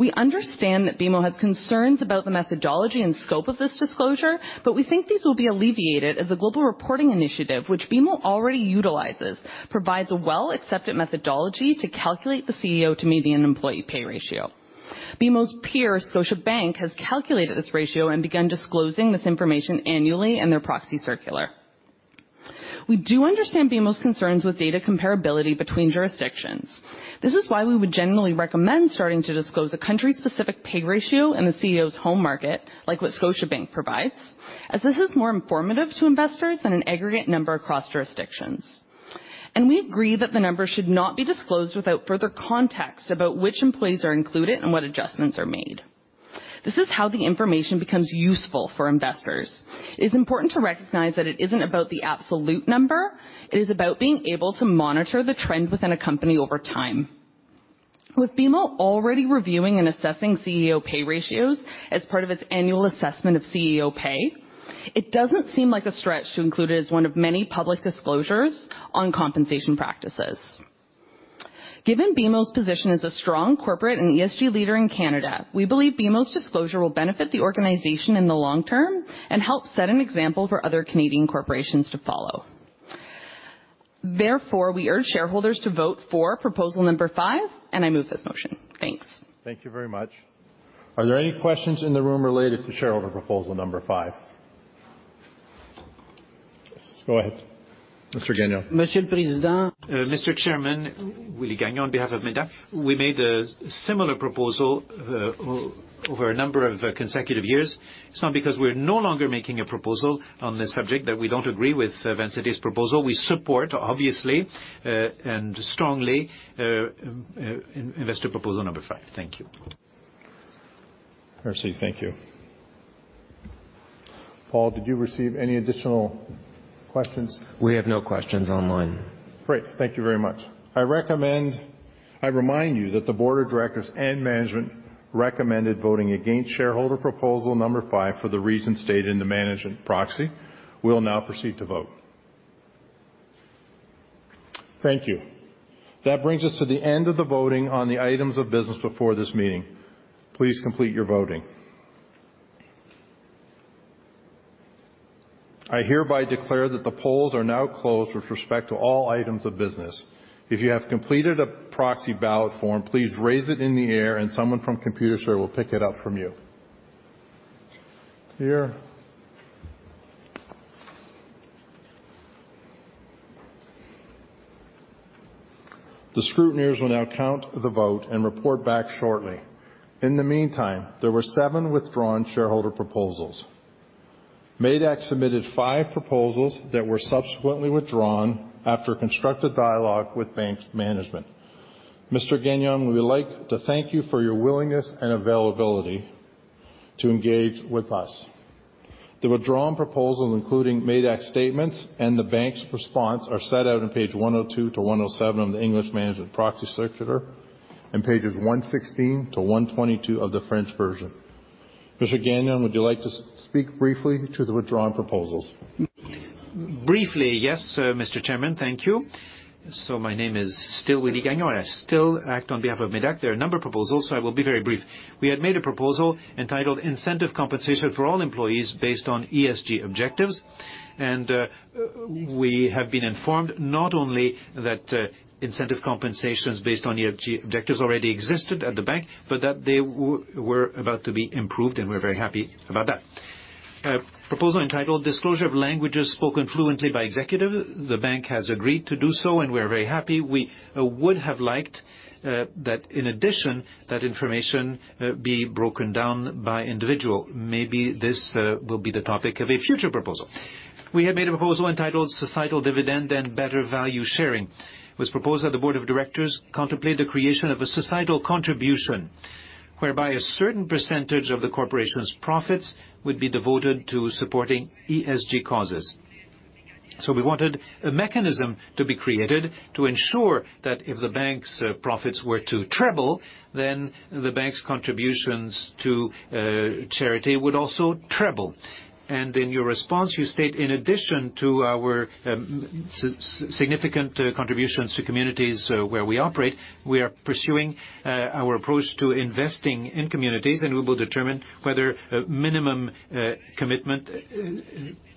We understand that BMO has concerns about the methodology and scope of this disclosure, but we think these will be alleviated as the Global Reporting Initiative, which BMO already utilizes, provides a well-accepted methodology to calculate the CEO-to-median employee pay ratio. BMO's peer, Scotiabank, has calculated this ratio and begun disclosing this information annually in their proxy circular. We do understand BMO's concerns with data comparability between jurisdictions. This is why we would generally recommend starting to disclose a country-specific pay ratio in the CEO's home market, like what Scotiabank provides, as this is more informative to investors than an aggregate number across jurisdictions. We agree that the numbers should not be disclosed without further context about which employees are included and what adjustments are made. This is how the information becomes useful for investors. It is important to recognize that it isn't about the absolute number. It is about being able to monitor the trend within a company over time. With BMO already reviewing and assessing CEO pay ratios as part of its annual assessment of CEO pay, it doesn't seem like a stretch to include it as one of many public disclosures on compensation practices. Given BMO's position as a strong corporate and ESG leader in Canada, we believe BMO's disclosure will benefit the organization in the long term and help set an example for other Canadian corporations to follow. Therefore, we urge shareholders to vote for proposal number five, and I move this motion. Thanks. Thank you very much. Are there any questions in the room related to shareholder proposal number five? Go ahead, Mr. Gagnon. Mr. Chairman, Willie Gagnon on behalf of MÉDAC. We made a similar proposal over a number of consecutive years. It's not because we're no longer making a proposal on this subject that we don't agree with Vancity's proposal. We support, obviously, and strongly, investor proposal number five. Thank you. Mercy, thank you. Paul, did you receive any additional questions? We have no questions online. Great. Thank you very much. I remind you that the board of directors and management recommended voting against shareholder proposal number five for the reasons stated in the management proxy. We will now proceed to vote. Thank you. That brings us to the end of the voting on the items of business before this meeting. Please complete your voting. I hereby declare that the polls are now closed with respect to all items of business. If you have completed a proxy ballot form, please raise it in the air, and someone from Computershare will pick it up from you. Here. The scrutineers will now count the vote and report back shortly. In the meantime, there were seven withdrawn shareholder proposals. MÉDAC submitted five proposals that were subsequently withdrawn after constructive dialogue with bank management. Mr. Mr. Gagnon, we would like to thank you for your willingness and availability to engage with us. The withdrawn proposals, including MÉDAC statements and the bank's response, are set out on pages 102 to 107 of the English management proxy circular and pages 116 to 122 of the French version. Mr. Gagnon, would you like to speak briefly to the withdrawn proposals? Briefly, yes, Mr. Chairman. Thank you. My name is still Willie Gagnon. I still act on behalf of MÉDAC. There are a number of proposals, so I will be very brief. We had made a proposal entitled Incentive Compensation for All Employees Based on ESG Objectives. We have been informed not only that incentive compensations based on ESG objectives already existed at the bank, but that they were about to be improved, and we're very happy about that. Proposal entitled Disclosure of Languages Spoken Fluently by Executives. The bank has agreed to do so, and we're very happy. We would have liked that, in addition, that information be broken down by individual. Maybe this will be the topic of a future proposal. We had made a proposal entitled Societal Dividend and Better Value Sharing. It was proposed that the board of directors contemplate the creation of a societal contribution whereby a certain percentage of the corporation's profits would be devoted to supporting ESG causes. We wanted a mechanism to be created to ensure that if the bank's profits were to treble, then the bank's contributions to charity would also treble. In your response, you state, "In addition to our significant contributions to communities where we operate, we are pursuing our approach to investing in communities, and we will determine whether a minimum commitment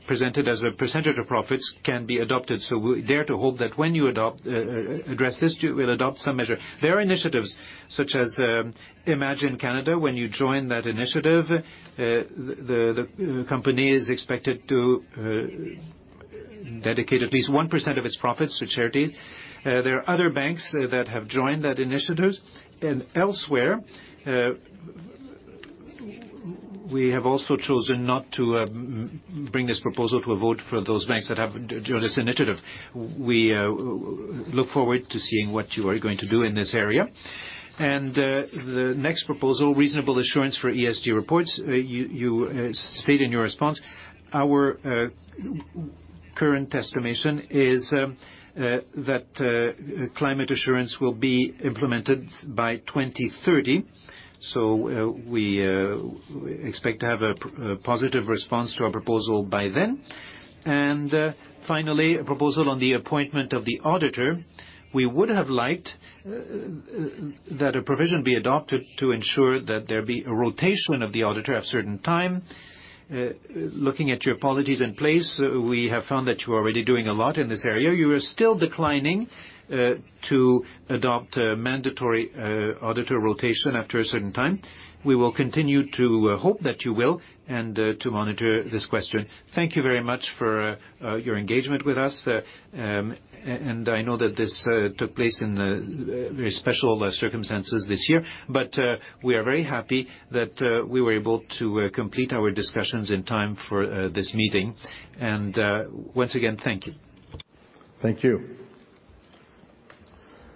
presented as a percentage of profits can be adopted." We dare to hope that when you address this, you will adopt some measure. There are initiatives such as Imagine Canada. When you join that initiative, the company is expected to dedicate at least 1% of its profits to charities. There are other banks that have joined that initiative. Elsewhere, we have also chosen not to bring this proposal to a vote for those banks that have joined this initiative. We look forward to seeing what you are going to do in this area. The next proposal, Reasonable Assurance for ESG Reports, you state in your response, "Our current estimation is that climate assurance will be implemented by 2030." So we expect to have a positive response to our proposal by then. Finally, a proposal on the appointment of the auditor. We would have liked that a provision be adopted to ensure that there be a rotation of the auditor at a certain time. Looking at your policies in place, we have found that you're already doing a lot in this area. You are still declining to adopt mandatory auditor rotation after a certain time. We will continue to hope that you will and to monitor this question. Thank you very much for your engagement with us. I know that this took place in very special circumstances this year, but we are very happy that we were able to complete our discussions in time for this meeting. Once again, thank you. Thank you.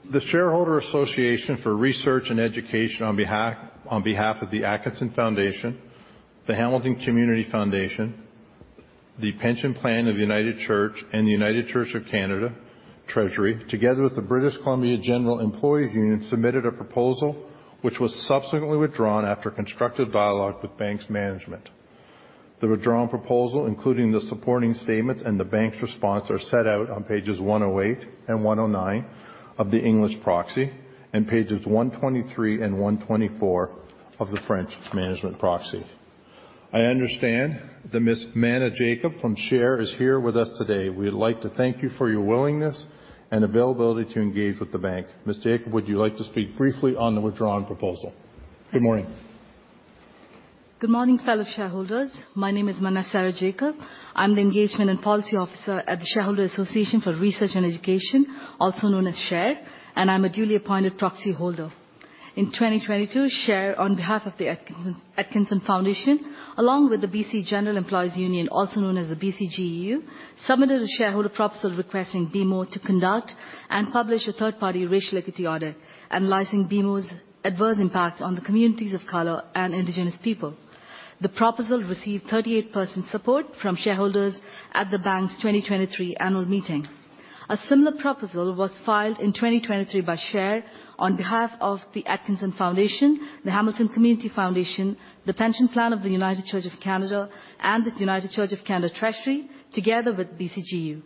The Shareholder Association for Research and Education on behalf of the Atkinson Foundation, the Hamilton Community Foundation, the Pension Plan of the United Church, and the United Church of Canada Treasury, together with the British Columbia General Employees' Union, submitted a proposal which was subsequently withdrawn after constructive dialogue with bank management. The withdrawn proposal, including the supporting statements and the bank's response, are set out on pages 108 and 109 of the English proxy and pages 123 and 124 of the French management proxy. I understand that Ms. Mana Jacob from SHARE is here with us today. We would like to thank you for your willingness and availability to engage with the bank. Ms. Jacob, would you like to speak briefly on the withdrawn proposal? Good morning. Good morning, fellow shareholders. My name is Mana Sarah Jacob. I'm the Engagement and Policy Officer at the Shareholder Association for Research and Education, also known as SHARE, and I'm a duly appointed proxy holder. In 2022, SHARE, on behalf of the Atkinson Foundation, along with the BC General Employees' Union, also known as the BCGEU, submitted a shareholder proposal requesting BMO to conduct and publish a third-party racial equity audit analyzing BMO's adverse impacts on the communities of color and indigenous people. The proposal received 38% support from shareholders at the bank's 2023 annual meeting. A similar proposal was filed in 2023 by SHARE on behalf of the Atkinson Foundation, the Hamilton Community Foundation, the Pension Plan of the United Church of Canada, and the United Church of Canada Treasury, together with BCGEU.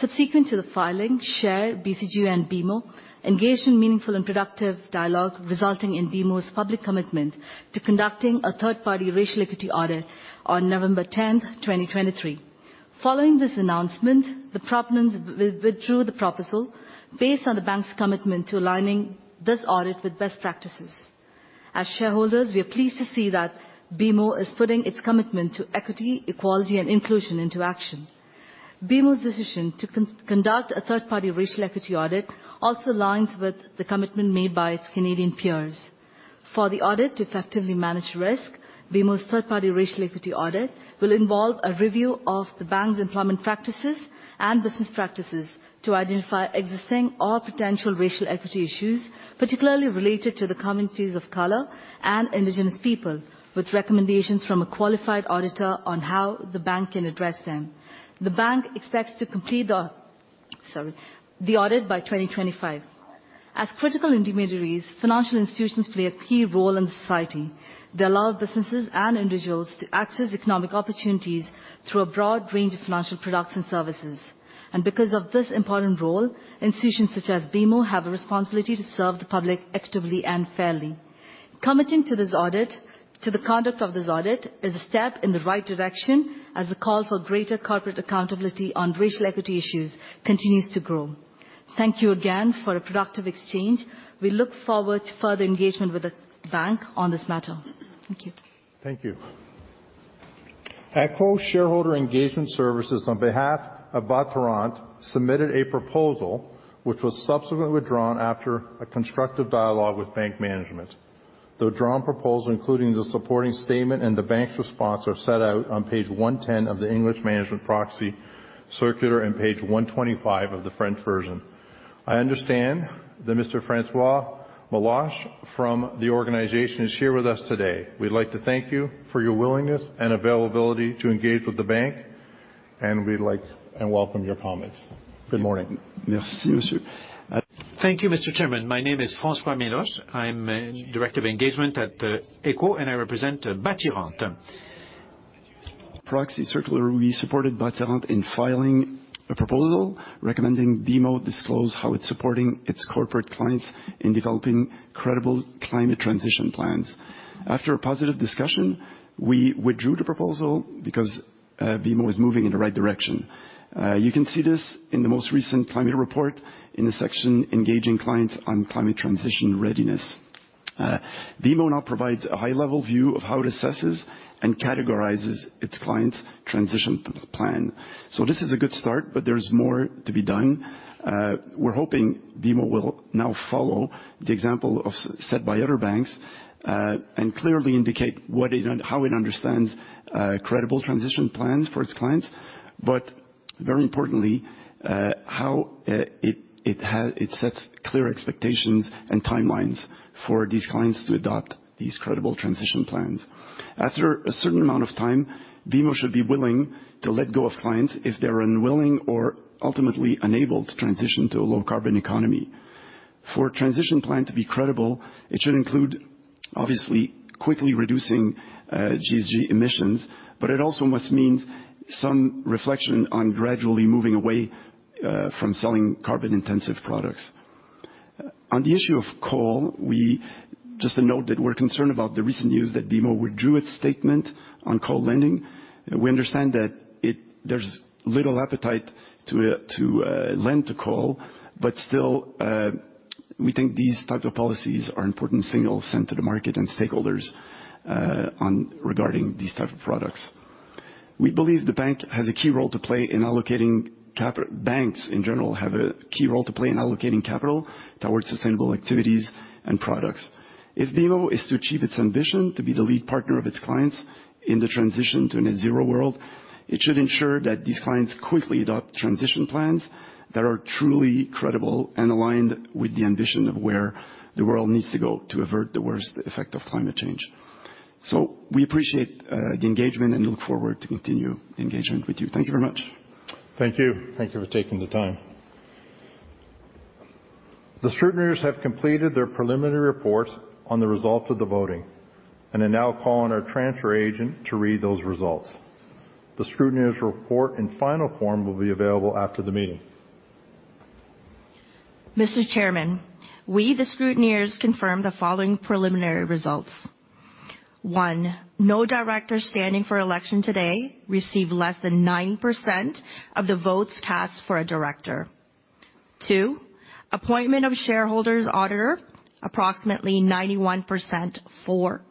Subsequent to the filing, SHARE, BCGEU, and BMO engaged in meaningful and productive dialogue, resulting in BMO's public commitment to conducting a third-party racial equity audit on November 10th, 2023. Following this announcement, the Proponents withdrew the proposal based on the bank's commitment to aligning this audit with best practices. As shareholders, we are pleased to see that BMO is putting its commitment to equity, equality, and inclusion into action. BMO's decision to conduct a third-party racial equity audit also aligns with the commitment made by its Canadian peers. For the audit to effectively manage risk, BMO's third-party racial equity audit will involve a review of the bank's employment practices and business practices to identify existing or potential racial equity issues, particularly related to the communities of color and Indigenous people, with recommendations from a qualified auditor on how the bank can address them. The bank expects to complete the audit by 2025. As critical intermediaries, financial institutions play a key role in society. They allow businesses and individuals to access economic opportunities through a broad range of financial products and services. Because of this important role, institutions such as BMO have a responsibility to serve the public equitably and fairly. Committing to the conduct of this audit is a step in the right direction as the call for greater corporate accountability on racial equity issues continues to grow. Thank you again for a productive exchange. We look forward to further engagement with the bank on this matter. Thank you. Thank you. Aequo Shareholder Engagement Services, on behalf of Bâtirente, submitted a proposal which was subsequently withdrawn after a constructive dialogue with bank management. The withdrawn proposal, including the supporting statement and the bank's response, are set out on page 110 of the English management proxy circular and page 125 of the French version. I understand that Mr. François Meloche from the organization is here with us today. We'd like to thank you for your willingness and availability to engage with the bank, and we'd like to welcome your comments. Good morning. Thank you, Mr. Chairman. My name is François Meloche. I'm Director of Engagement at Aequo, and I represent Bâtirente. Proxy circular, we supported Bâtirente in filing a proposal recommending BMO disclose how it's supporting its corporate clients in developing credible climate transition plans. After a positive discussion, we withdrew the proposal because BMO is moving in the right direction. You can see this in the most recent climate report in the section Engaging Clients on Climate Transition Readiness. BMO now provides a high-level view of how it assesses and categorizes its clients' transition plan. This is a good start, but there's more to be done. We're hoping BMO will now follow the example set by other banks and clearly indicate how it understands credible transition plans for its clients, but very importantly, how it sets clear expectations and timelines for these clients to adopt these credible transition plans. After a certain amount of time, BMO should be willing to let go of clients if they're unwilling or ultimately unable to transition to a low-carbon economy. For a transition plan to be credible, it should include, obviously, quickly reducing GHG emissions, but it also must mean some reflection on gradually moving away from selling carbon-intensive products. On the issue of coal, just a note that we're concerned about the recent news that BMO withdrew its statement on coal lending. We understand that there's little appetite to lend to coal, but still, we think these types of policies are important signals sent to the market and stakeholders regarding these types of products. We believe the bank has a key role to play in allocating capital towards sustainable activities and products. Banks, in general, have a key role to play in allocating capital towards sustainable activities and products. If BMO is to achieve its ambition to be the lead partner of its clients in the transition to a net-zero world, it should ensure that these clients quickly adopt transition plans that are truly credible and aligned with the ambition of where the world needs to go to avert the worst effects of climate change. We appreciate the engagement and look forward to continuing the engagement with you. Thank you very much. Thank you. Thank you for taking the time. The scrutineers have completed their preliminary reports on the results of the voting and are now calling our transfer agent to read those results. The scrutineers' report in final form will be available after the meeting. Mr. Chairman, we, the scrutineers, confirm the following preliminary results. One, no director standing for election today received less than 90% of the votes cast for a director. Two, appointment of shareholders auditor, approximately 91% for.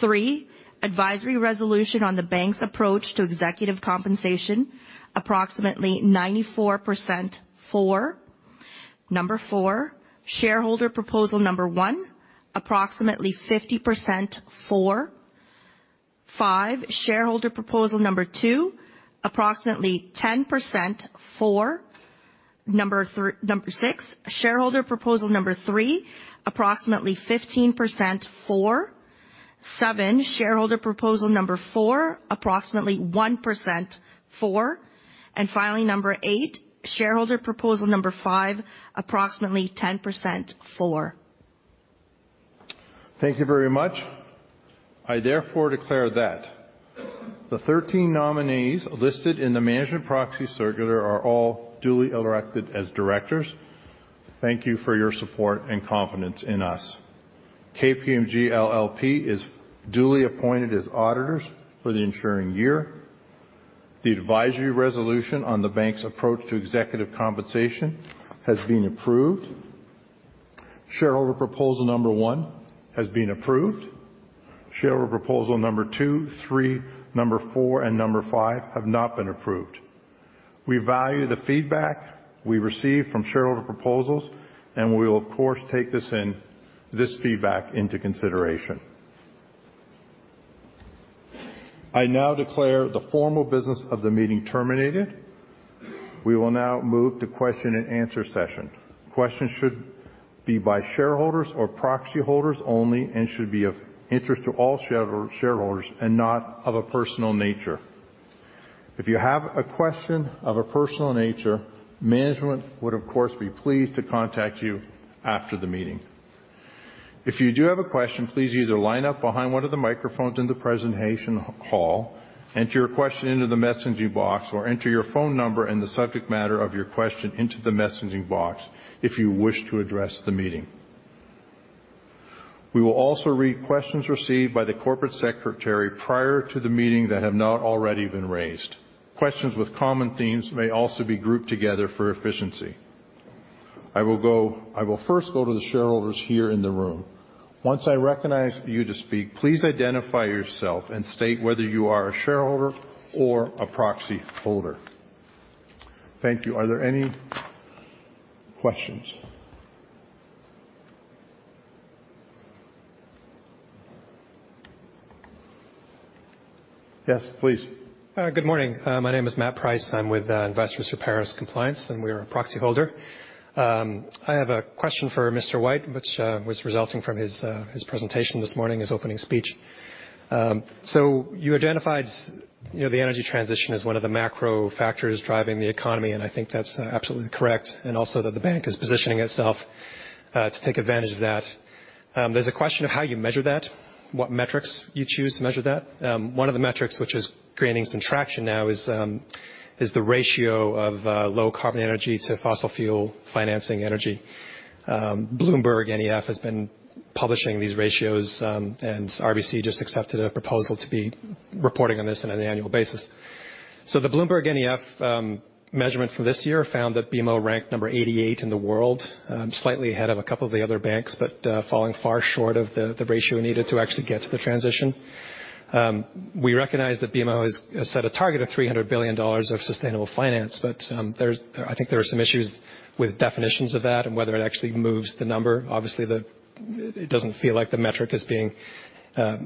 Three, advisory resolution on the bank's approach to executive compensation, approximately 94% for. Number four, shareholder proposal number one, approximately 50% for. Five, shareholder proposal number two, approximately 10% for. Number six, shareholder proposal number three, approximately 15% for. Seven, shareholder proposal number four, approximately 1% for. Finally, number eight, shareholder proposal number five, approximately 10% for. Thank you very much. I therefore declare that the 13 nominees listed in the management proxy circular are all duly elected as directors. Thank you for your support and confidence in us. KPMG LLP is duly appointed as auditors for the ensuing year. The advisory resolution on the bank's approach to executive compensation has been approved. Shareholder proposal number one has been approved. Shareholder proposal number two, three, number four, and number five have not been approved. We value the feedback we receive from shareholder proposals, and we will, of course, take this feedback into consideration. I now declare the formal business of the meeting terminated. We will now move to question and answer session. Questions should be by shareholders or proxy holders only and should be of interest to all shareholders and not of a personal nature. If you have a question of a personal nature, management would, of course, be pleased to contact you after the meeting. If you do have a question, please either line up behind one of the microphones in the presentation hall, enter your question into the messaging box, or enter your phone number and the subject matter of your question into the messaging box if you wish to address the meeting. We will also read questions received by the corporate secretary prior to the meeting that have not already been raised. Questions with common themes may also be grouped together for efficiency. I will first go to the shareholders here in the room. Once I recognize you to speak, please identify yourself and state whether you are a shareholder or a proxy holder. Thank you. Are there any questions? Yes, please. Good morning. My name is Matt Price. I'm with Investors for Paris Compliance, and we are a proxy holder. I have a question for Mr. White, which was resulting from his presentation this morning, his opening speech. So you identified the energy transition as one of the macro factors driving the economy, and I think that's absolutely correct, and also that the bank is positioning itself to take advantage of that. There's a question of how you measure that, what metrics you choose to measure that. One of the metrics, which is gaining some traction now, is the ratio of low-carbon energy to fossil fuel financing energy. Bloomberg NEF has been publishing these ratios, and RBC just accepted a proposal to be reporting on this on an annual basis. The Bloomberg NEF measurement for this year found that BMO ranked number 88 in the world, slightly ahead of a couple of the other banks, but falling far short of the ratio needed to actually get to the transition. We recognize that BMO has set a target of $300 billion of sustainable finance, but I think there are some issues with definitions of that and whether it actually moves the number. Obviously, it doesn't feel like the metric is being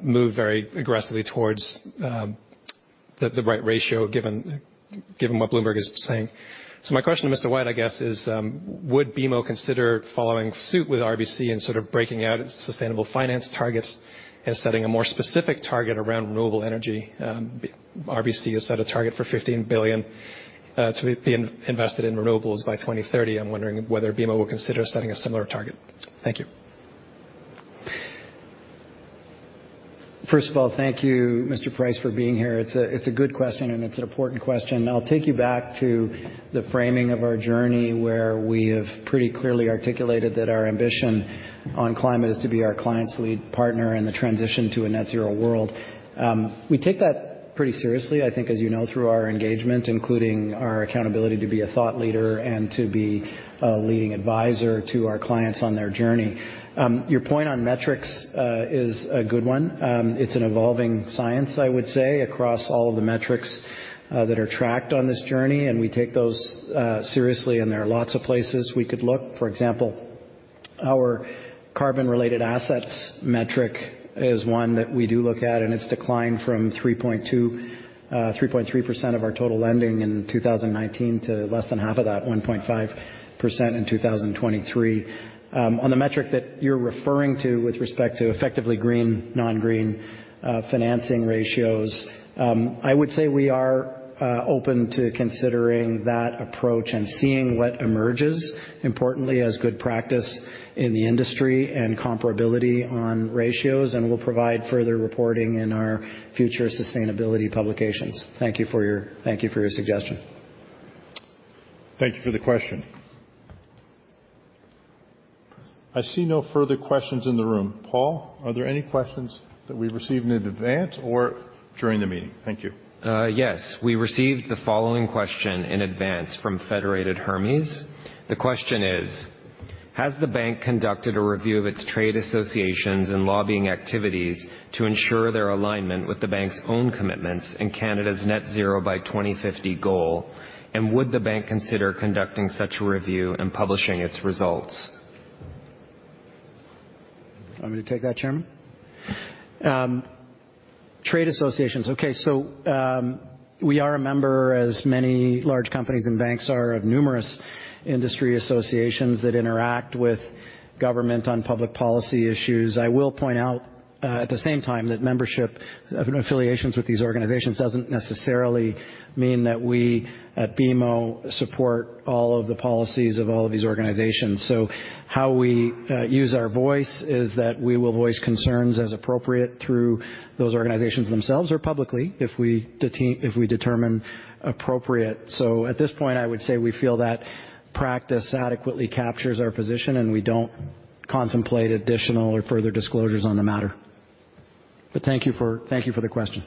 moved very aggressively towards the right ratio given what Bloomberg is saying. My question to Mr. White, I guess, is: would BMO consider following suit with RBC in breaking out its sustainable finance targets and setting a more specific target around renewable energy? RBC has set a target for $15 billion to be invested in renewables by 2030. I'm wondering whether BMO will consider setting a similar target. Thank you. First of all, thank you, Mr. Price, for being here. It's a good question, and it's an important question. I'll take you back to the framing of our journey where we have pretty clearly articulated that our ambition on climate is to be our clients' lead partner in the transition to a net-zero world. We take that pretty seriously, I think, as you know, through our engagement, including our accountability to be a thought leader and to be a leading advisor to our clients on their journey. Your point on metrics is a good one. It's an evolving science, I would say, across all of the metrics that are tracked on this journey, and we take those seriously, and there are lots of places we could look. For example, our carbon-related assets metric is one that we do look at, and it's declined from 3.3% of our total lending in 2019 to less than half of that, 1.5% in 2023. On the metric that you're referring to with respect to effectively green, non-green financing ratios, I would say we are open to considering that approach and seeing what emerges, importantly, as good practice in the industry and comparability on ratios, and we'll provide further reporting in our future sustainability publications. Thank you for your suggestion. Thank you for the question. I see no further questions in the room. Paul, are there any questions that we received in advance or during the meeting? Thank you. Yes. We received the following question in advance from Federated Hermes. The question is: has the bank conducted a review of its trade associations and lobbying activities to ensure their alignment with the bank's own commitments and Canada's net-zero by 2050 goal, and would the bank consider conducting such a review and publishing its results? I'm going to take that, Chairman. Trade associations. So we are a member, as many large companies and banks are, of numerous industry associations that interact with government on public policy issues. I will point out at the same time that membership of affiliations with these organizations doesn't necessarily mean that we at BMO support all of the policies of all of these organizations. How we use our voice is that we will voice concerns as appropriate through those organizations themselves or publicly if we determine appropriate. At this point, I would say we feel that practice adequately captures our position, and we don't contemplate additional or further disclosures on the matter. But thank you for the question.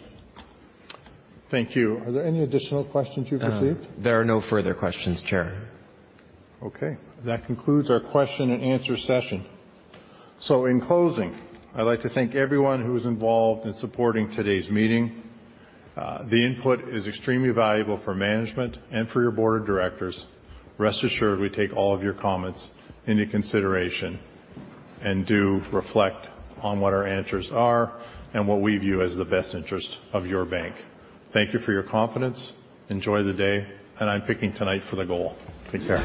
Thank you. Are there any additional questions you've received? There are no further questions, Chair. That concludes our question and answer session. In closing, I'd like to thank everyone who was involved in supporting today's meeting. The input is extremely valuable for management and for your board of directors. Rest assured, we take all of your comments into consideration and do reflect on what our answers are and what we view as the best interest of your bank. Thank you for your confidence. Enjoy the day, and I'm picking tonight for the goal. Thank you.